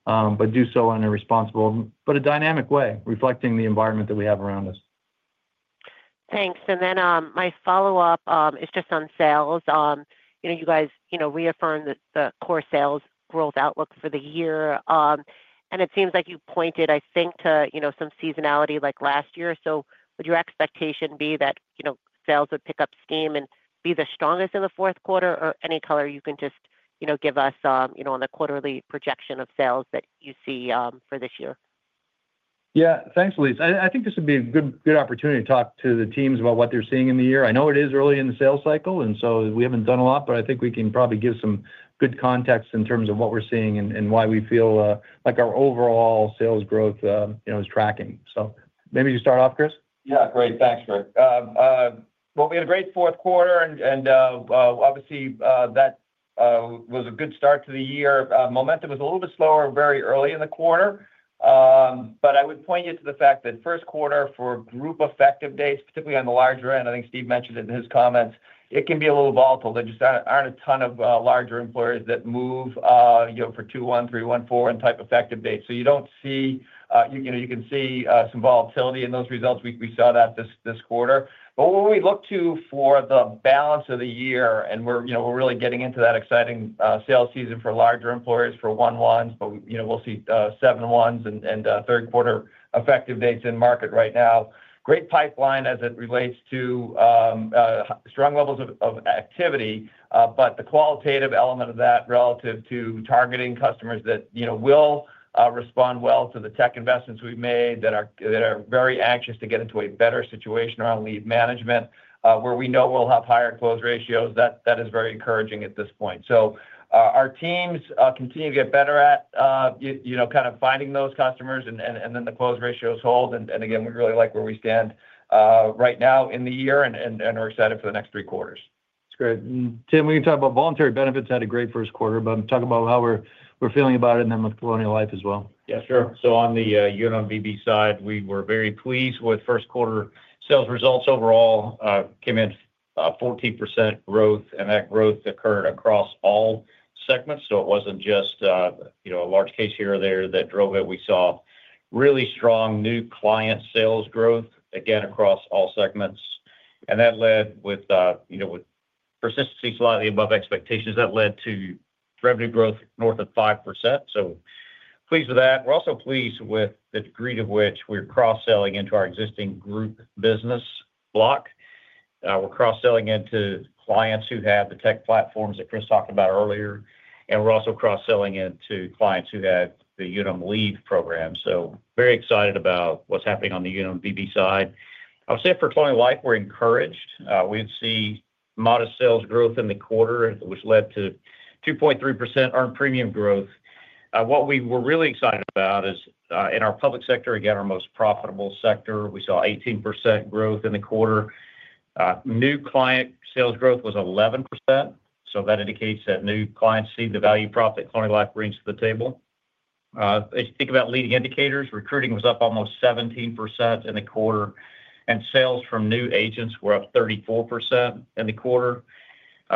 but do so in a responsible, but a dynamic way, reflecting the environment that we have around us. Thanks. My follow-up is just on sales. You guys reaffirmed the core sales growth outlook for the year. It seems like you pointed, I think, to some seasonality like last year. Would your expectation be that sales would pick up steam and be the strongest in the fourth quarter? Any color you can just give us on the quarterly projection of sales that you see for this year. Yeah. Thanks, Elyse. I think this would be a good opportunity to talk to the teams about what they're seeing in the year. I know it is early in the sales cycle, and so we haven't done a lot, but I think we can probably give some good context in terms of what we're seeing and why we feel like our overall sales growth is tracking. Maybe you start off, Chris. Yeah. Great. Thanks, Rick. We had a great fourth quarter, and obviously, that was a good start to the year. Momentum was a little bit slower very early in the quarter. I would point you to the fact that first quarter for group effective dates, particularly on the larger end, I think Steve mentioned it in his comments, it can be a little volatile. There just aren't a ton of larger employers that move for Q1, Q3, Q1, Q4 and type effective dates. You can see some volatility in those results. We saw that this quarter. When we look to for the balance of the year, we're really getting into that exciting sales season for larger employers for one-ones, but we'll see seven-ones and third quarter effective dates in market right now. Great pipeline as it relates to strong levels of activity, but the qualitative element of that relative to targeting customers that will respond well to the tech investments we've made that are very anxious to get into a better situation around lead management where we know we'll have higher close ratios. That is very encouraging at this point. Our teams continue to get better at kind of finding those customers, and then the close ratios hold. Again, we really like where we stand right now in the year and are excited for the next three quarters. That's great. Tim, we can talk about voluntary benefits had a great first quarter, but talk about how we're feeling about it and then with Colonial Life as well. Yeah, sure. On the Unum BB side, we were very pleased with first quarter sales results. Overall, came in 14% growth, and that growth occurred across all segments. It wasn't just a large case here or there that drove it. We saw really strong new client sales growth, again, across all segments. That led with persistency slightly above expectations. That led to revenue growth north of 5%. Pleased with that. We're also pleased with the degree to which we're cross-selling into our existing group business block. We're cross-selling into clients who have the tech platforms that Chris talked about earlier. We're also cross-selling into clients who have the Unum Leave program. Very excited about what's happening on the Unum BB side. I would say for Colonial Life, we're encouraged. We'd see modest sales growth in the quarter, which led to 2.3% earned premium growth. What we were really excited about is in our public sector, again, our most profitable sector, we saw 18% growth in the quarter. New client sales growth was 11%. That indicates that new clients see the value profit Colonial Life brings to the table. If you think about leading indicators, recruiting was up almost 17% in the quarter, and sales from new agents were up 34% in the quarter.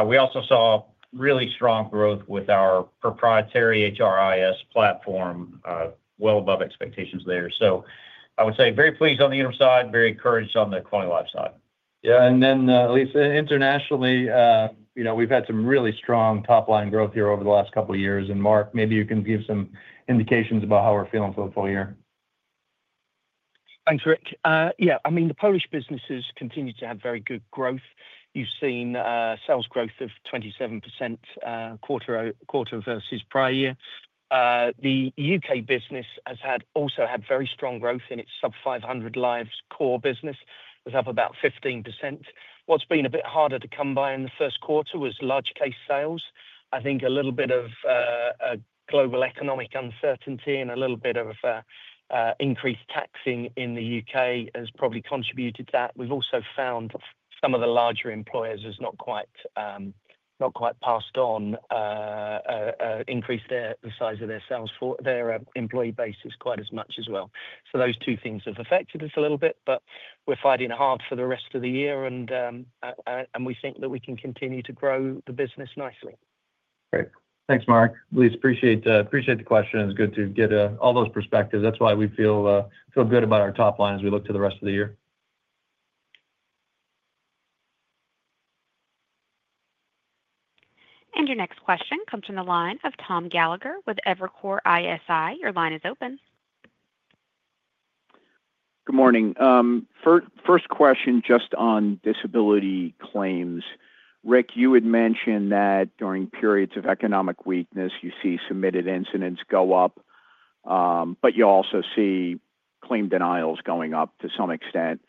We also saw really strong growth with our proprietary HRIS platform, well above expectations there. I would say very pleased on the Unum side, very encouraged on the Colonial Life side. Yeah. Elyse, internationally, we've had some really strong top-line growth here over the last couple of years. Mark, maybe you can give some indications about how we're feeling for the full year. Thanks, Rick. Yeah. I mean, the Polish businesses continue to have very good growth. You've seen sales growth of 27% quarter versus prior year. The U.K. business has also had very strong growth in its sub-500 lives core business. It was up about 15%. What's been a bit harder to come by in the first quarter was large case sales. I think a little bit of global economic uncertainty and a little bit of increased taxing in the U.K. has probably contributed to that. We've also found some of the larger employers have not quite passed on increased the size of their employee bases quite as much as well. Those two things have affected us a little bit, but we're fighting hard for the rest of the year, and we think that we can continue to grow the business nicely. Great. Thanks, Mark. Elyse, appreciate the question. It's good to get all those perspectives. That's why we feel good about our top line as we look to the rest of the year. Your next question comes from the line of Tom Gallagher with Evercore ISI. Your line is open. Good morning. First question just on disability claims. Rick, you had mentioned that during periods of economic weakness, you see submitted incidence go up, but you also see claim denials going up to some extent.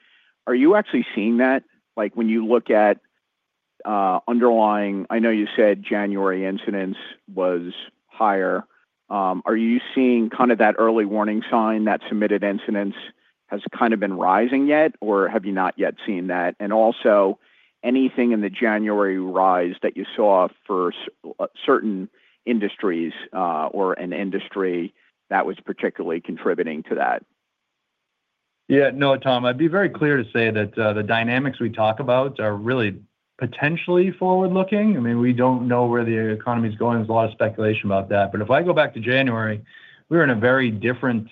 Are you actually seeing that? When you look at underlying, I know you said January incidence was higher. Are you seeing kind of that early warning sign that submitted incidents has kind of been rising yet, or have you not yet seen that? Also, anything in the January rise that you saw for certain industries or an industry that was particularly contributing to that? Yeah. No, Tom. I'd be very clear to say that the dynamics we talk about are really potentially forward-looking. I mean, we don't know where the economy's going. There's a lot of speculation about that. If I go back to January, we were in a very different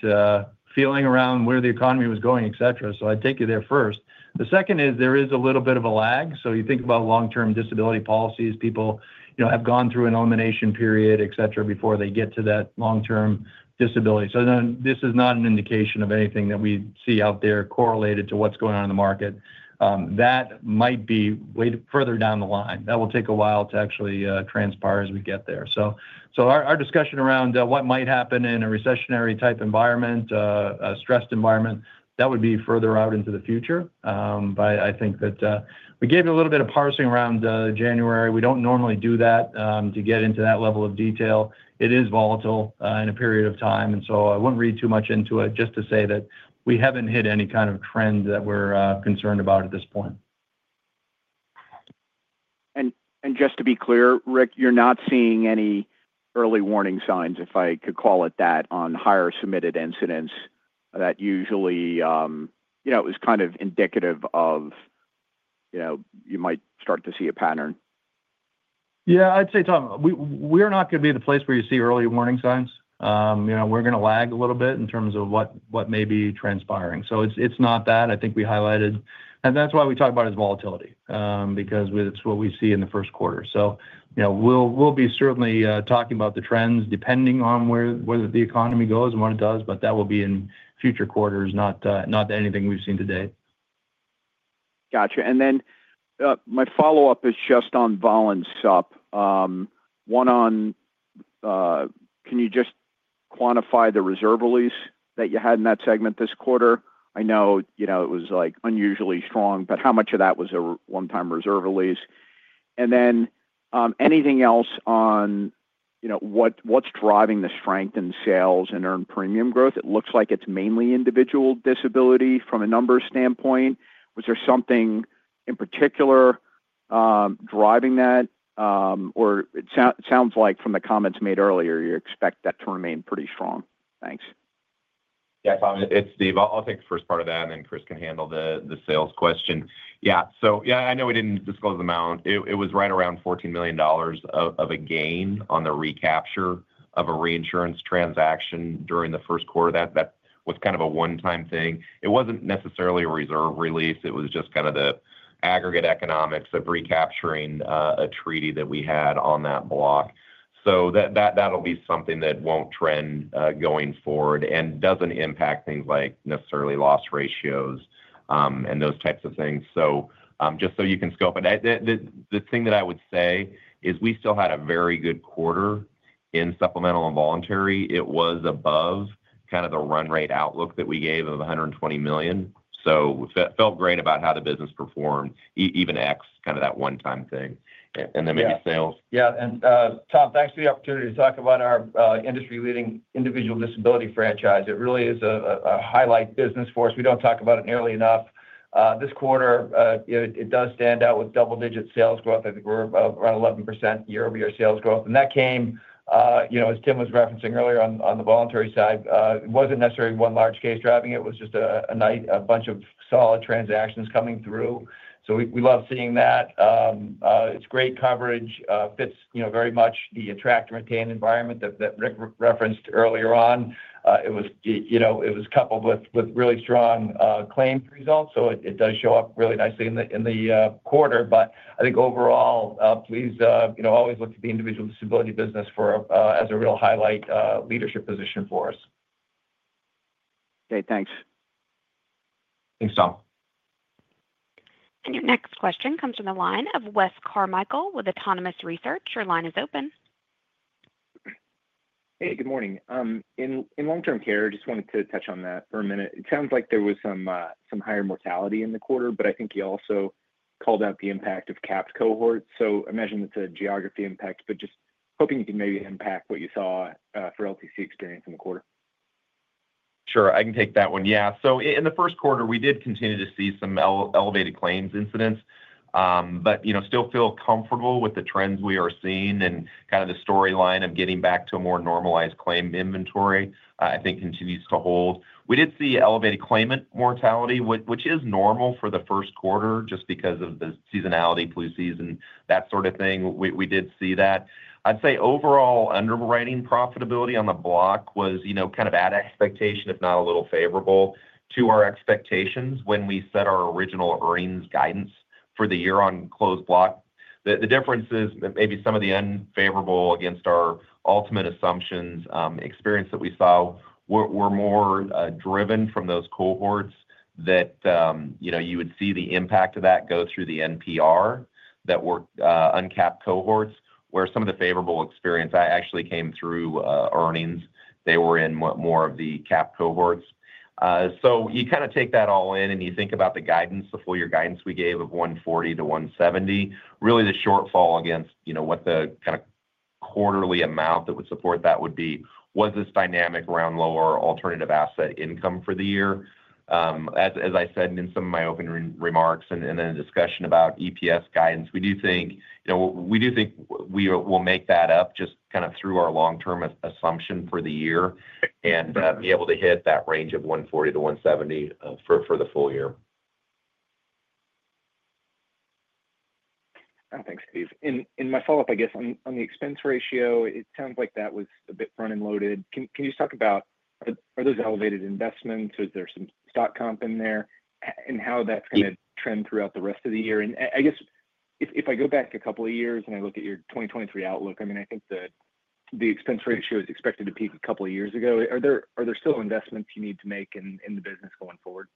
feeling around where the economy was going, etc. I'd take you there first. The second is there is a little bit of a lag. You think about long-term disability policies. People have gone through an elimination period, etc., before they get to that long-term disability. This is not an indication of anything that we see out there correlated to what's going on in the market. That might be way further down the line. That will take a while to actually transpire as we get there. Our discussion around what might happen in a recessionary type environment, a stressed environment, that would be further out into the future. I think that we gave you a little bit of parsing around January. We don't normally do that to get into that level of detail. It is volatile in a period of time. I wouldn't read too much into it just to say that we haven't hit any kind of trend that we're concerned about at this point. Just to be clear, Rick, you're not seeing any early warning signs, if I could call it that, on higher submitted incidents that usually it was kind of indicative of you might start to see a pattern. Yeah. I'd say, Tom, we're not going to be the place where you see early warning signs. We're going to lag a little bit in terms of what may be transpiring. It is not that. I think we highlighted. That is why we talk about it as volatility because it is what we see in the first quarter. We will be certainly talking about the trends depending on where the economy goes and what it does, but that will be in future quarters, not anything we've seen to date. Got it. My follow-up is just on vol and sup. One on, can you just quantify the reserve release that you had in that segment this quarter? I know it was unusually strong, but how much of that was a one-time reserve release? Anything else on what's driving the strength in sales and earned premium growth? It looks like it's mainly individual disability from a numbers standpoint. Was there something in particular driving that? It sounds like from the comments made earlier, you expect that to remain pretty strong. Thanks. Yeah, Tom, it's Steve. I'll take the first part of that, and Chris can handle the sales question. Yeah. I know we didn't disclose the amount. It was right around $14 million of a gain on the recapture of a reinsurance transaction during the first quarter. That was kind of a one-time thing. It wasn't necessarily a reserve release. It was just kind of the aggregate economics of recapturing a treaty that we had on that block. That will be something that will not trend going forward and does not impact things like necessarily loss ratios and those types of things. Just so you can scope it, the thing that I would say is we still had a very good quarter in supplemental and voluntary. It was above kind of the run rate outlook that we gave of $120 million. Felt great about how the business performed, even X, kind of that one-time thing. Maybe sales. Yeah. Tom, thanks for the opportunity to talk about our industry-leading individual disability franchise. It really is a highlight business for us. We do not talk about it nearly enough. This quarter, it does stand out with double-digit sales growth. I think we are around 11% year-over-year sales growth. That came, as Tim was referencing earlier on the voluntary side, it was not necessarily one large case driving. It was just a bunch of solid transactions coming through. We love seeing that. It is great coverage. Fits very much the attract and retain environment that Rick referenced earlier on. It was coupled with really strong claim results. It does show up really nicely in the quarter. I think overall, please always look to the individual disability business as a real highlight leadership position for us. Okay. Thanks. Thanks, Tom. Your next question comes from the line of Wes Carmichael with Autonomous Research. Your line is open. Hey, good morning. In long-term care, I just wanted to touch on that for a minute. It sounds like there was some higher mortality in the quarter, but I think you also called out the impact of capped cohorts. I imagine it's a geography impact, but just hoping you can maybe unpack what you saw for LTC experience in the quarter. Sure. I can take that one. Yeah. In the first quarter, we did continue to see some elevated claims incidents, but still feel comfortable with the trends we are seeing and kind of the storyline of getting back to a more normalized claim inventory, I think continues to hold. We did see elevated claimant mortality, which is normal for the first quarter just because of the seasonality, flu season, that sort of thing. We did see that. I'd say overall underwriting profitability on the block was kind of at expectation, if not a little favorable to our expectations when we set our original earnings guidance for the year on closed block. The difference is maybe some of the unfavorable against our ultimate assumptions experience that we saw were more driven from those cohorts that you would see the impact of that go through the NPR that were uncapped cohorts, where some of the favorable experience actually came through earnings. They were in more of the capped cohorts. You kind of take that all in, and you think about the guidance, the full year guidance we gave of $140 million-$170 million, really the shortfall against what the kind of quarterly amount that would support that would be was this dynamic around lower alternative asset income for the year. As I said in some of my opening remarks and in the discussion about EPS guidance, we do think we will make that up just kind of through our long-term assumption for the year and be able to hit that range of $140 million-$170 million for the full year. Thanks, Steve. My follow-up, I guess, on the expense ratio, it sounds like that was a bit front-end loaded. Can you just talk about are those elevated investments? Is there some stock comp in there? How is that going to trend throughout the rest of the year? I guess if I go back a couple of years and I look at your 2023 outlook, I mean, I think the expense ratio was expected to peak a couple of years ago. Are there still investments you need to make in the business going forward?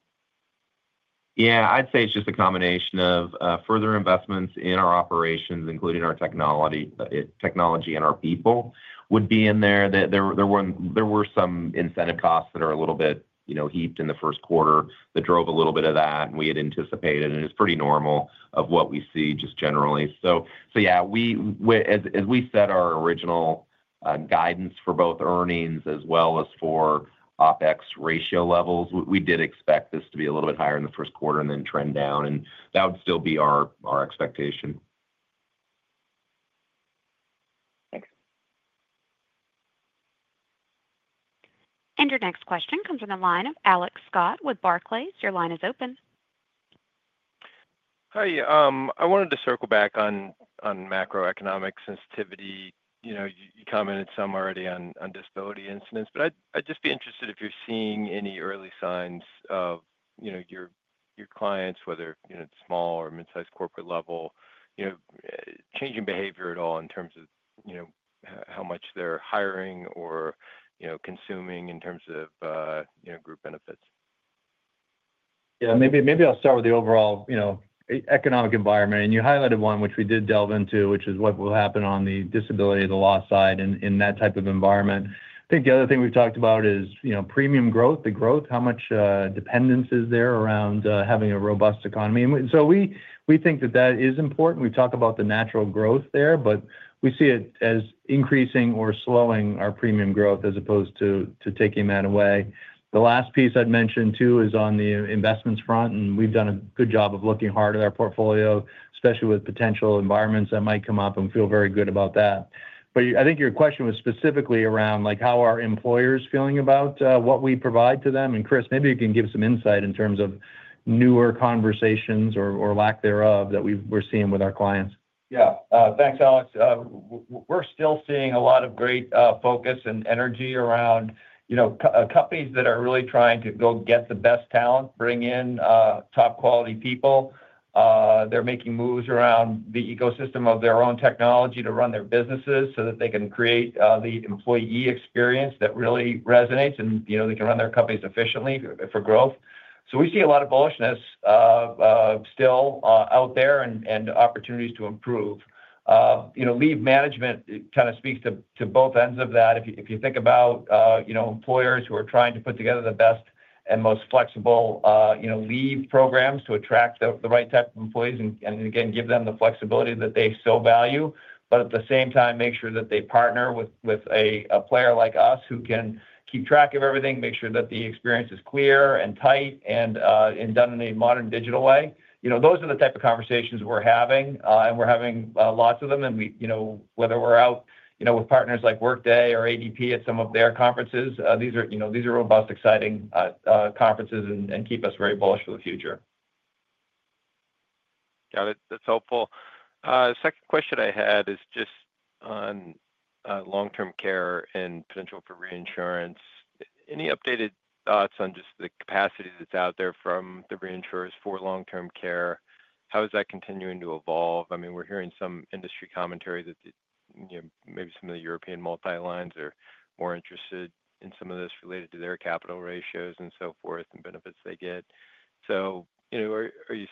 Yeah. I'd say it's just a combination of further investments in our operations, including our technology and our people, would be in there. There were some incentive costs that are a little bit heaped in the first quarter that drove a little bit of that, and we had anticipated, and it's pretty normal of what we see just generally. Yeah, as we set our original guidance for both earnings as well as for OpEx ratio levels, we did expect this to be a little bit higher in the first quarter and then trend down. That would still be our expectation. Thanks. Your next question comes from the line of Alex Scott with Barclays. Your line is open. Hi. I wanted to circle back on macroeconomic sensitivity. You commented some already on disability incidents, but I'd just be interested if you're seeing any early signs of your clients, whether it's small or mid-sized corporate level, changing behavior at all in terms of how much they're hiring or consuming in terms of group benefits. Yeah. Maybe I'll start with the overall economic environment. You highlighted one, which we did delve into, which is what will happen on the disability, the loss side in that type of environment. I think the other thing we've talked about is premium growth, the growth, how much dependence is there around having a robust economy. We think that that is important. We've talked about the natural growth there, but we see it as increasing or slowing our premium growth as opposed to taking that away. The last piece I'd mentioned too is on the investments front, and we've done a good job of looking hard at our portfolio, especially with potential environments that might come up, and we feel very good about that. I think your question was specifically around how are employers feeling about what we provide to them? Chris, maybe you can give some insight in terms of newer conversations or lack thereof that we're seeing with our clients. Yeah. Thanks, Alex. We're still seeing a lot of great focus and energy around companies that are really trying to go get the best talent, bring in top-quality people. They're making moves around the ecosystem of their own technology to run their businesses so that they can create the employee experience that really resonates, and they can run their companies efficiently for growth. We see a lot of bullishness still out there and opportunities to improve. Leave management kind of speaks to both ends of that. If you think about employers who are trying to put together the best and most flexible leave programs to attract the right type of employees and, again, give them the flexibility that they so value, but at the same time, make sure that they partner with a player like us who can keep track of everything, make sure that the experience is clear and tight and done in a modern digital way. Those are the type of conversations we're having, and we're having lots of them. Whether we're out with partners like Workday or ADP at some of their conferences, these are robust, exciting conferences and keep us very bullish for the future. Got it. That's helpful. Second question I had is just on long-term care and potential for reinsurance. Any updated thoughts on just the capacity that's out there from the reinsurers for long-term care? How is that continuing to evolve? I mean, we're hearing some industry commentary that maybe some of the European multi-lines are more interested in some of this related to their capital ratios and so forth and benefits they get. Are you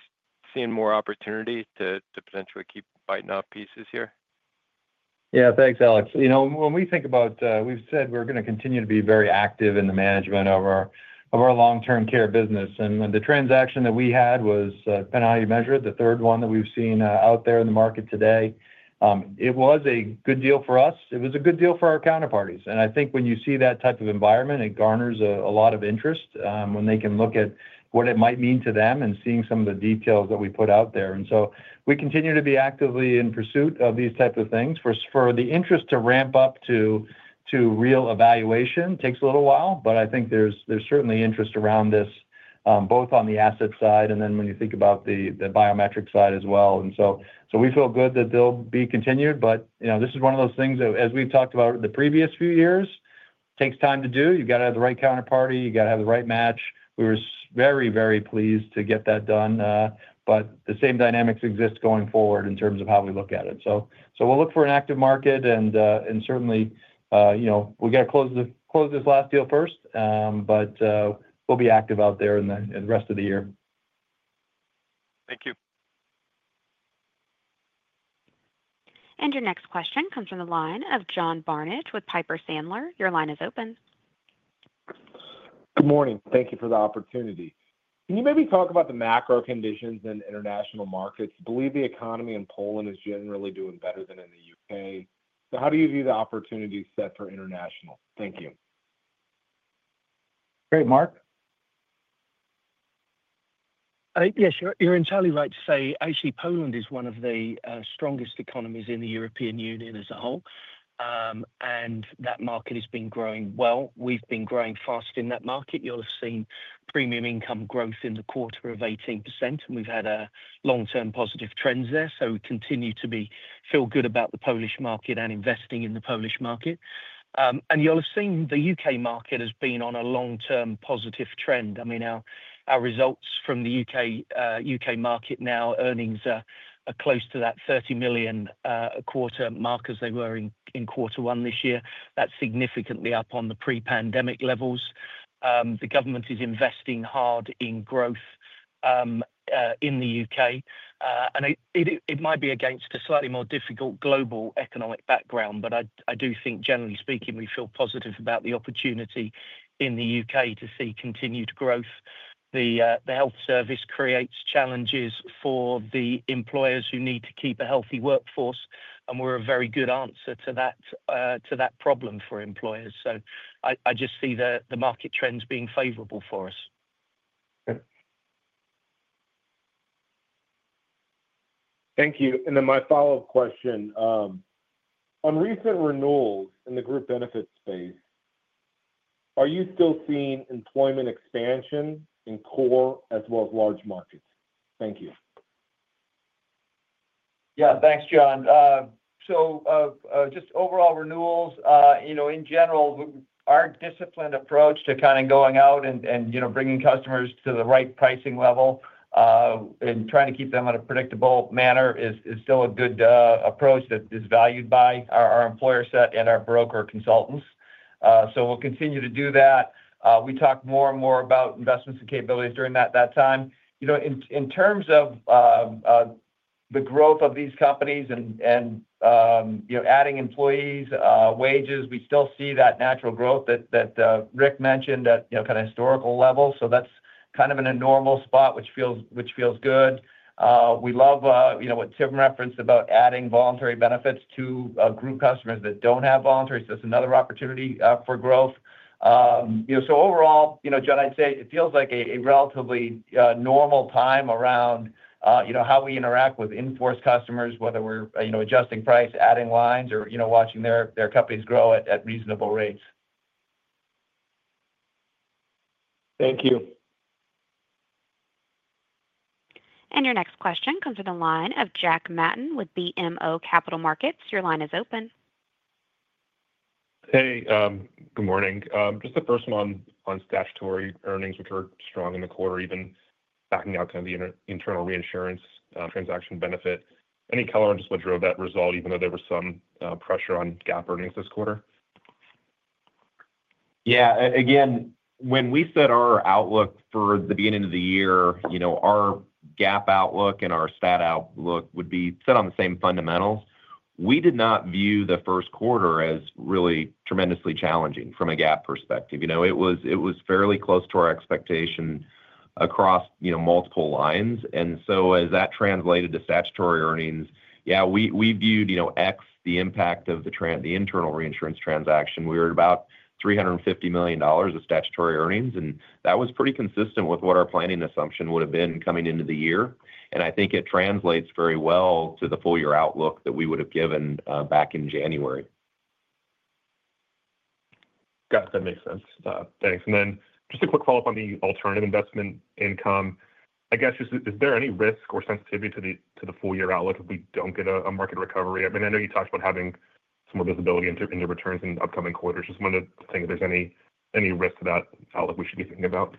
seeing more opportunity to potentially keep biting off pieces here? Yeah. Thanks, Alex. When we think about we've said we're going to continue to be very active in the management of our long-term care business. The transaction that we had was, depending on how you measure it, the third one that we've seen out there in the market today. It was a good deal for us. It was a good deal for our counterparties. I think when you see that type of environment, it garners a lot of interest when they can look at what it might mean to them and seeing some of the details that we put out there. We continue to be actively in pursuit of these types of things. For the interest to ramp up to real evaluation takes a little while, but I think there is certainly interest around this, both on the asset side and then when you think about the biometric side as well. We feel good that they will be continued, but this is one of those things, as we have talked about in the previous few years, takes time to do. You have to have the right counterparty. You have to have the right match. We were very, very pleased to get that done, but the same dynamics exist going forward in terms of how we look at it. We will look for an active market, and certainly, we have to close this last deal first, but we will be active out there in the rest of the year. Thank you. Your next question comes from the line of John Barnidge with Piper Sandler. Your line is open. Good morning. Thank you for the opportunity. Can you maybe talk about the macro conditions in international markets? I believe the economy in Poland is generally doing better than in the U.K. How do you view the opportunity set for international? Thank you. Great. Mark? Yeah. You are entirely right to say, actually, Poland is one of the strongest economies in the European Union as a whole, and that market has been growing well. We've been growing fast in that market. You'll have seen premium income growth in the quarter of 18%, and we've had long-term positive trends there. We continue to feel good about the Polish market and investing in the Polish market. You'll have seen the U.K. market has been on a long-term positive trend. I mean, our results from the U.K. market now, earnings are close to that $30 million a quarter mark as they were in quarter one this year. That's significantly up on the pre-pandemic levels. The government is investing hard in growth in the U.K. It might be against a slightly more difficult global economic background, but I do think, generally speaking, we feel positive about the opportunity in the U.K. to see continued growth. The health service creates challenges for the employers who need to keep a healthy workforce, and we're a very good answer to that problem for employers. I just see the market trends being favorable for us. Thank you. My follow-up question. On recent renewals in the group benefits space, are you still seeing employment expansion in core as well as large markets? Thank you. Yeah. Thanks, John. Just overall renewals, in general, our disciplined approach to kind of going out and bringing customers to the right pricing level and trying to keep them in a predictable manner is still a good approach that is valued by our employer set and our broker consultants. We will continue to do that. We talk more and more about investments and capabilities during that time. In terms of the growth of these companies and adding employees, wages, we still see that natural growth that Rick mentioned at kind of historical levels. That is kind of in a normal spot, which feels good. We love what Tim referenced about adding voluntary benefits to group customers that do not have voluntary. It is another opportunity for growth. Overall, John, I would say it feels like a relatively normal time around how we interact with in-force customers, whether we are adjusting price, adding lines, or watching their companies grow at reasonable rates. Thank you. Your next question comes from the line of Jack Matten with BMO Capital Markets. Your line is open. Hey. Good morning. Just the first one on statutory earnings, which were strong in the quarter, even backing out kind of the internal reinsurance transaction benefit. Any color on just what drove that result, even though there was some pressure on GAAP earnings this quarter? Yeah. Again, when we set our outlook for the beginning of the year, our GAAP outlook and our stat outlook would be set on the same fundamentals. We did not view the first quarter as really tremendously challenging from a GAAP perspective. It was fairly close to our expectation across multiple lines. As that translated to statutory earnings, yeah, we viewed, excluding the impact of the internal reinsurance transaction, we were at about $350 million of statutory earnings, and that was pretty consistent with what our planning assumption would have been coming into the year. I think it translates very well to the full year outlook that we would have given back in January. Got it. That makes sense. Thanks. Just a quick follow-up on the alternative investment income. I guess, is there any risk or sensitivity to the full year outlook if we do not get a market recovery? I mean, I know you talked about having some more visibility into returns in the upcoming quarters. Just wanted to think if there is any risk to that outlook we should be thinking about.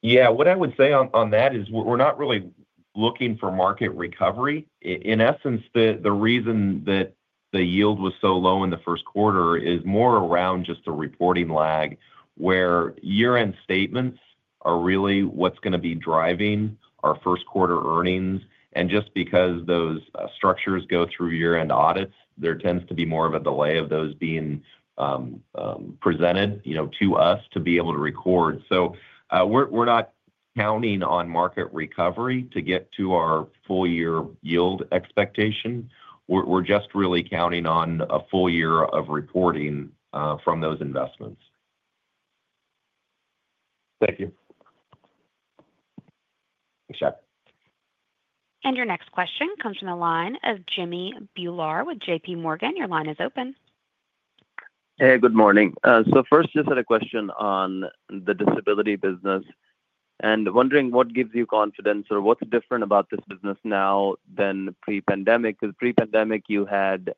Yeah. What I would say on that is we are not really looking for market recovery. In essence, the reason that the yield was so low in the first quarter is more around just the reporting lag where year-end statements are really what is going to be driving our first quarter earnings. And just because those structures go through year-end audits, there tends to be more of a delay of those being presented to us to be able to record. We're not counting on market recovery to get to our full year yield expectation. We're just really counting on a full year of reporting from those investments. Thank you. Thanks, Jack. Your next question comes from the line of Jimmy Bhullar with JPMorgan. Your line is open. Hey. Good morning. First, just had a question on the disability business and wondering what gives you confidence or what's different about this business now than pre-pandemic. Because pre-pandemic, you had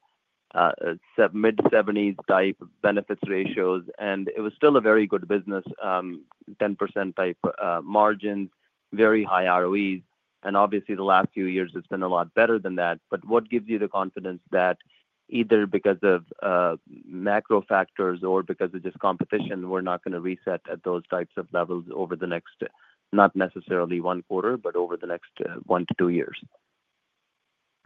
mid-70s type benefit ratios, and it was still a very good business, 10% type margins, very high ROEs. Obviously, the last few years, it's been a lot better than that. What gives you the confidence that either because of macro factors or because of just competition, we're not going to reset at those types of levels over the next, not necessarily one quarter, but over the next one to two years?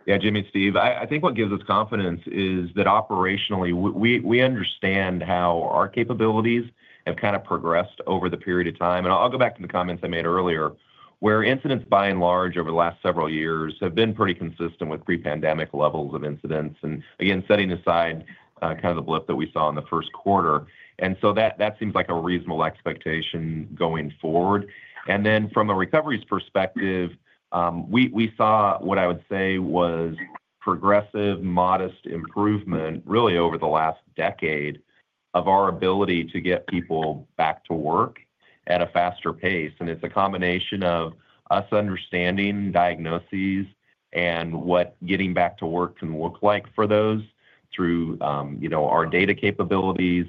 Yeah. Jimmy, it's Steve, I think what gives us confidence is that operationally, we understand how our capabilities have kind of progressed over the period of time. I'll go back to the comments I made earlier where incidents, by and large, over the last several years have been pretty consistent with pre-pandemic levels of incidents and, again, setting aside kind of the blip that we saw in the first quarter. That seems like a reasonable expectation going forward. From a recovery's perspective, we saw what I would say was progressive, modest improvement really over the last decade of our ability to get people back to work at a faster pace. It's a combination of us understanding diagnoses and what getting back to work can look like for those through our data capabilities,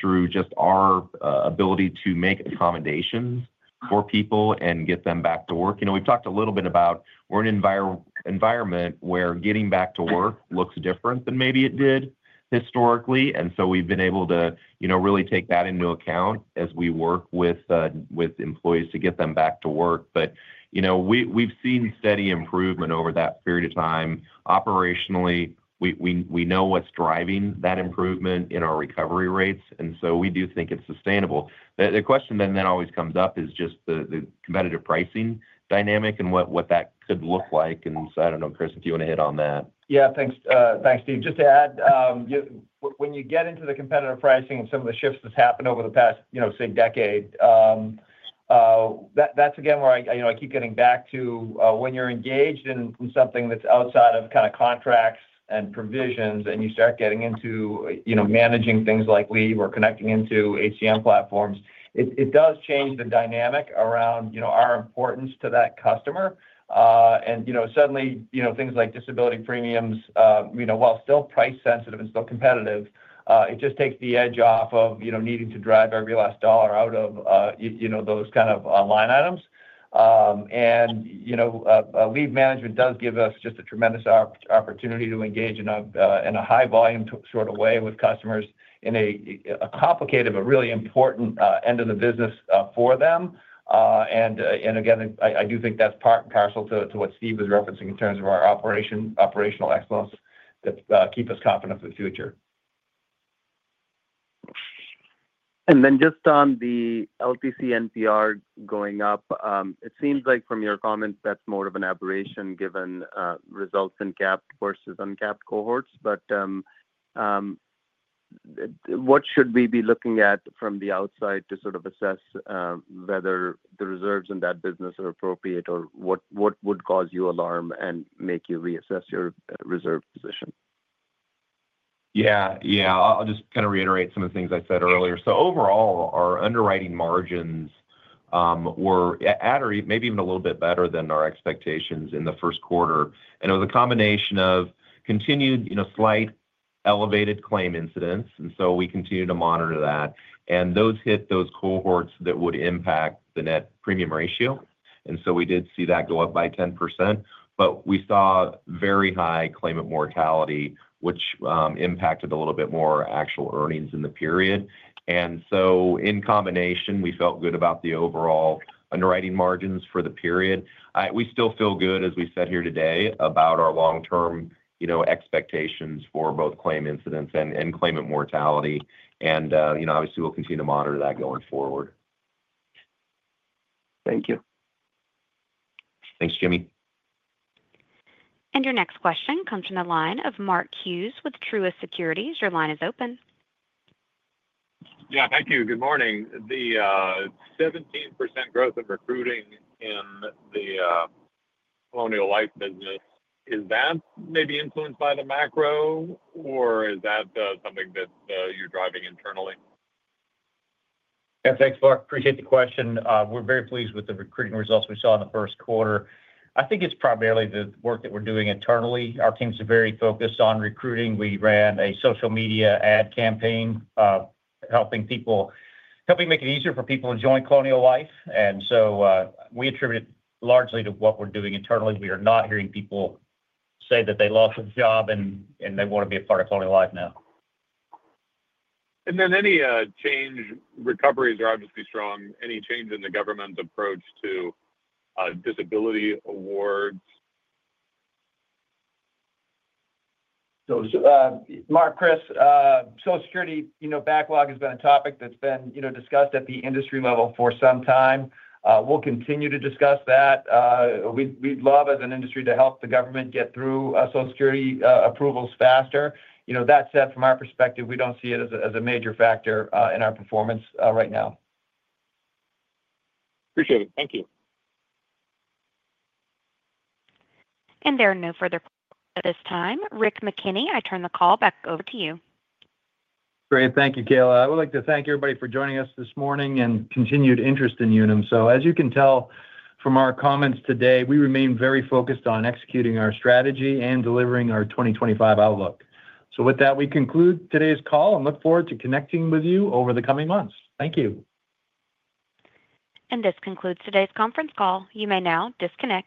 through just our ability to make accommodations for people and get them back to work. We've talked a little bit about we're in an environment where getting back to work looks different than maybe it did historically. We've been able to really take that into account as we work with employees to get them back to work. We've seen steady improvement over that period of time. Operationally, we know what's driving that improvement in our recovery rates, and we do think it's sustainable. The question that then always comes up is just the competitive pricing dynamic and what that could look like. I do not know, Chris, if you want to hit on that. Yeah. Thanks, Steve. Just to add, when you get into the competitive pricing and some of the shifts that have happened over the past, say, decade, that is again where I keep getting back to when you are engaged in something that is outside of kind of contracts and provisions and you start getting into managing things like leave or connecting into HCM platforms, it does change the dynamic around our importance to that customer. Suddenly, things like disability premiums, while still price-sensitive and still competitive, it just takes the edge off of needing to drive every last dollar out of those kind of line items. Leave management does give us just a tremendous opportunity to engage in a high-volume sort of way with customers in a complicated but really important end of the business for them. I do think that's part and parcel to what Steve was referencing in terms of our operational excellence that keeps us confident for the future. Just on the LTC NPR going up, it seems like from your comments, that's more of an aberration given results in capped versus uncapped cohorts. What should we be looking at from the outside to sort of assess whether the reserves in that business are appropriate, or what would cause you alarm and make you reassess your reserve position? Yeah. I'll just kind of reiterate some of the things I said earlier. Overall, our underwriting margins were at or maybe even a little bit better than our expectations in the first quarter. It was a combination of continued slight elevated claim incidents. We continued to monitor that. Those hit those cohorts that would impact the net premium ratio. We did see that go up by 10%. We saw very high claimant mortality, which impacted a little bit more actual earnings in the period. In combination, we felt good about the overall underwriting margins for the period. We still feel good, as we said here today, about our long-term expectations for both claim incidents and claimant mortality. Obviously, we will continue to monitor that going forward. Thank you. Thanks, Jimmy. Your next question comes from the line of Mark Hughes with Truist Securities. Your line is open. Yeah. Thank you. Good morning. The 17% growth of recruiting in the Colonial Life business, is that maybe influenced by the macro, or is that something that you're driving internally? Yeah. Thanks, Mark. Appreciate the question. We're very pleased with the recruiting results we saw in the first quarter. I think it's primarily the work that we're doing internally. Our team's very focused on recruiting. We ran a social media ad campaign helping make it easier for people to join Colonial Life. We attribute it largely to what we're doing internally. We are not hearing people say that they lost a job and they want to be a part of Colonial Life now. Any change recoveries are obviously strong. Any change in the government's approach to disability awards? Mark, it's Chris, Social Security backlog has been a topic that's been discussed at the industry level for some time. We'll continue to discuss that. We'd love, as an industry, to help the government get through Social Security approvals faster. That said, from our perspective, we don't see it as a major factor in our performance right now. Appreciate it. Thank you. There are no further questions at this time. Rick McKenney, I turn the call back over to you. Great. Thank you, Kayla. I would like to thank everybody for joining us this morning and continued interest in Unum. As you can tell from our comments today, we remain very focused on executing our strategy and delivering our 2025 outlook. With that, we conclude today's call and look forward to connecting with you over the coming months. Thank you. This concludes today's conference call. You may now disconnect.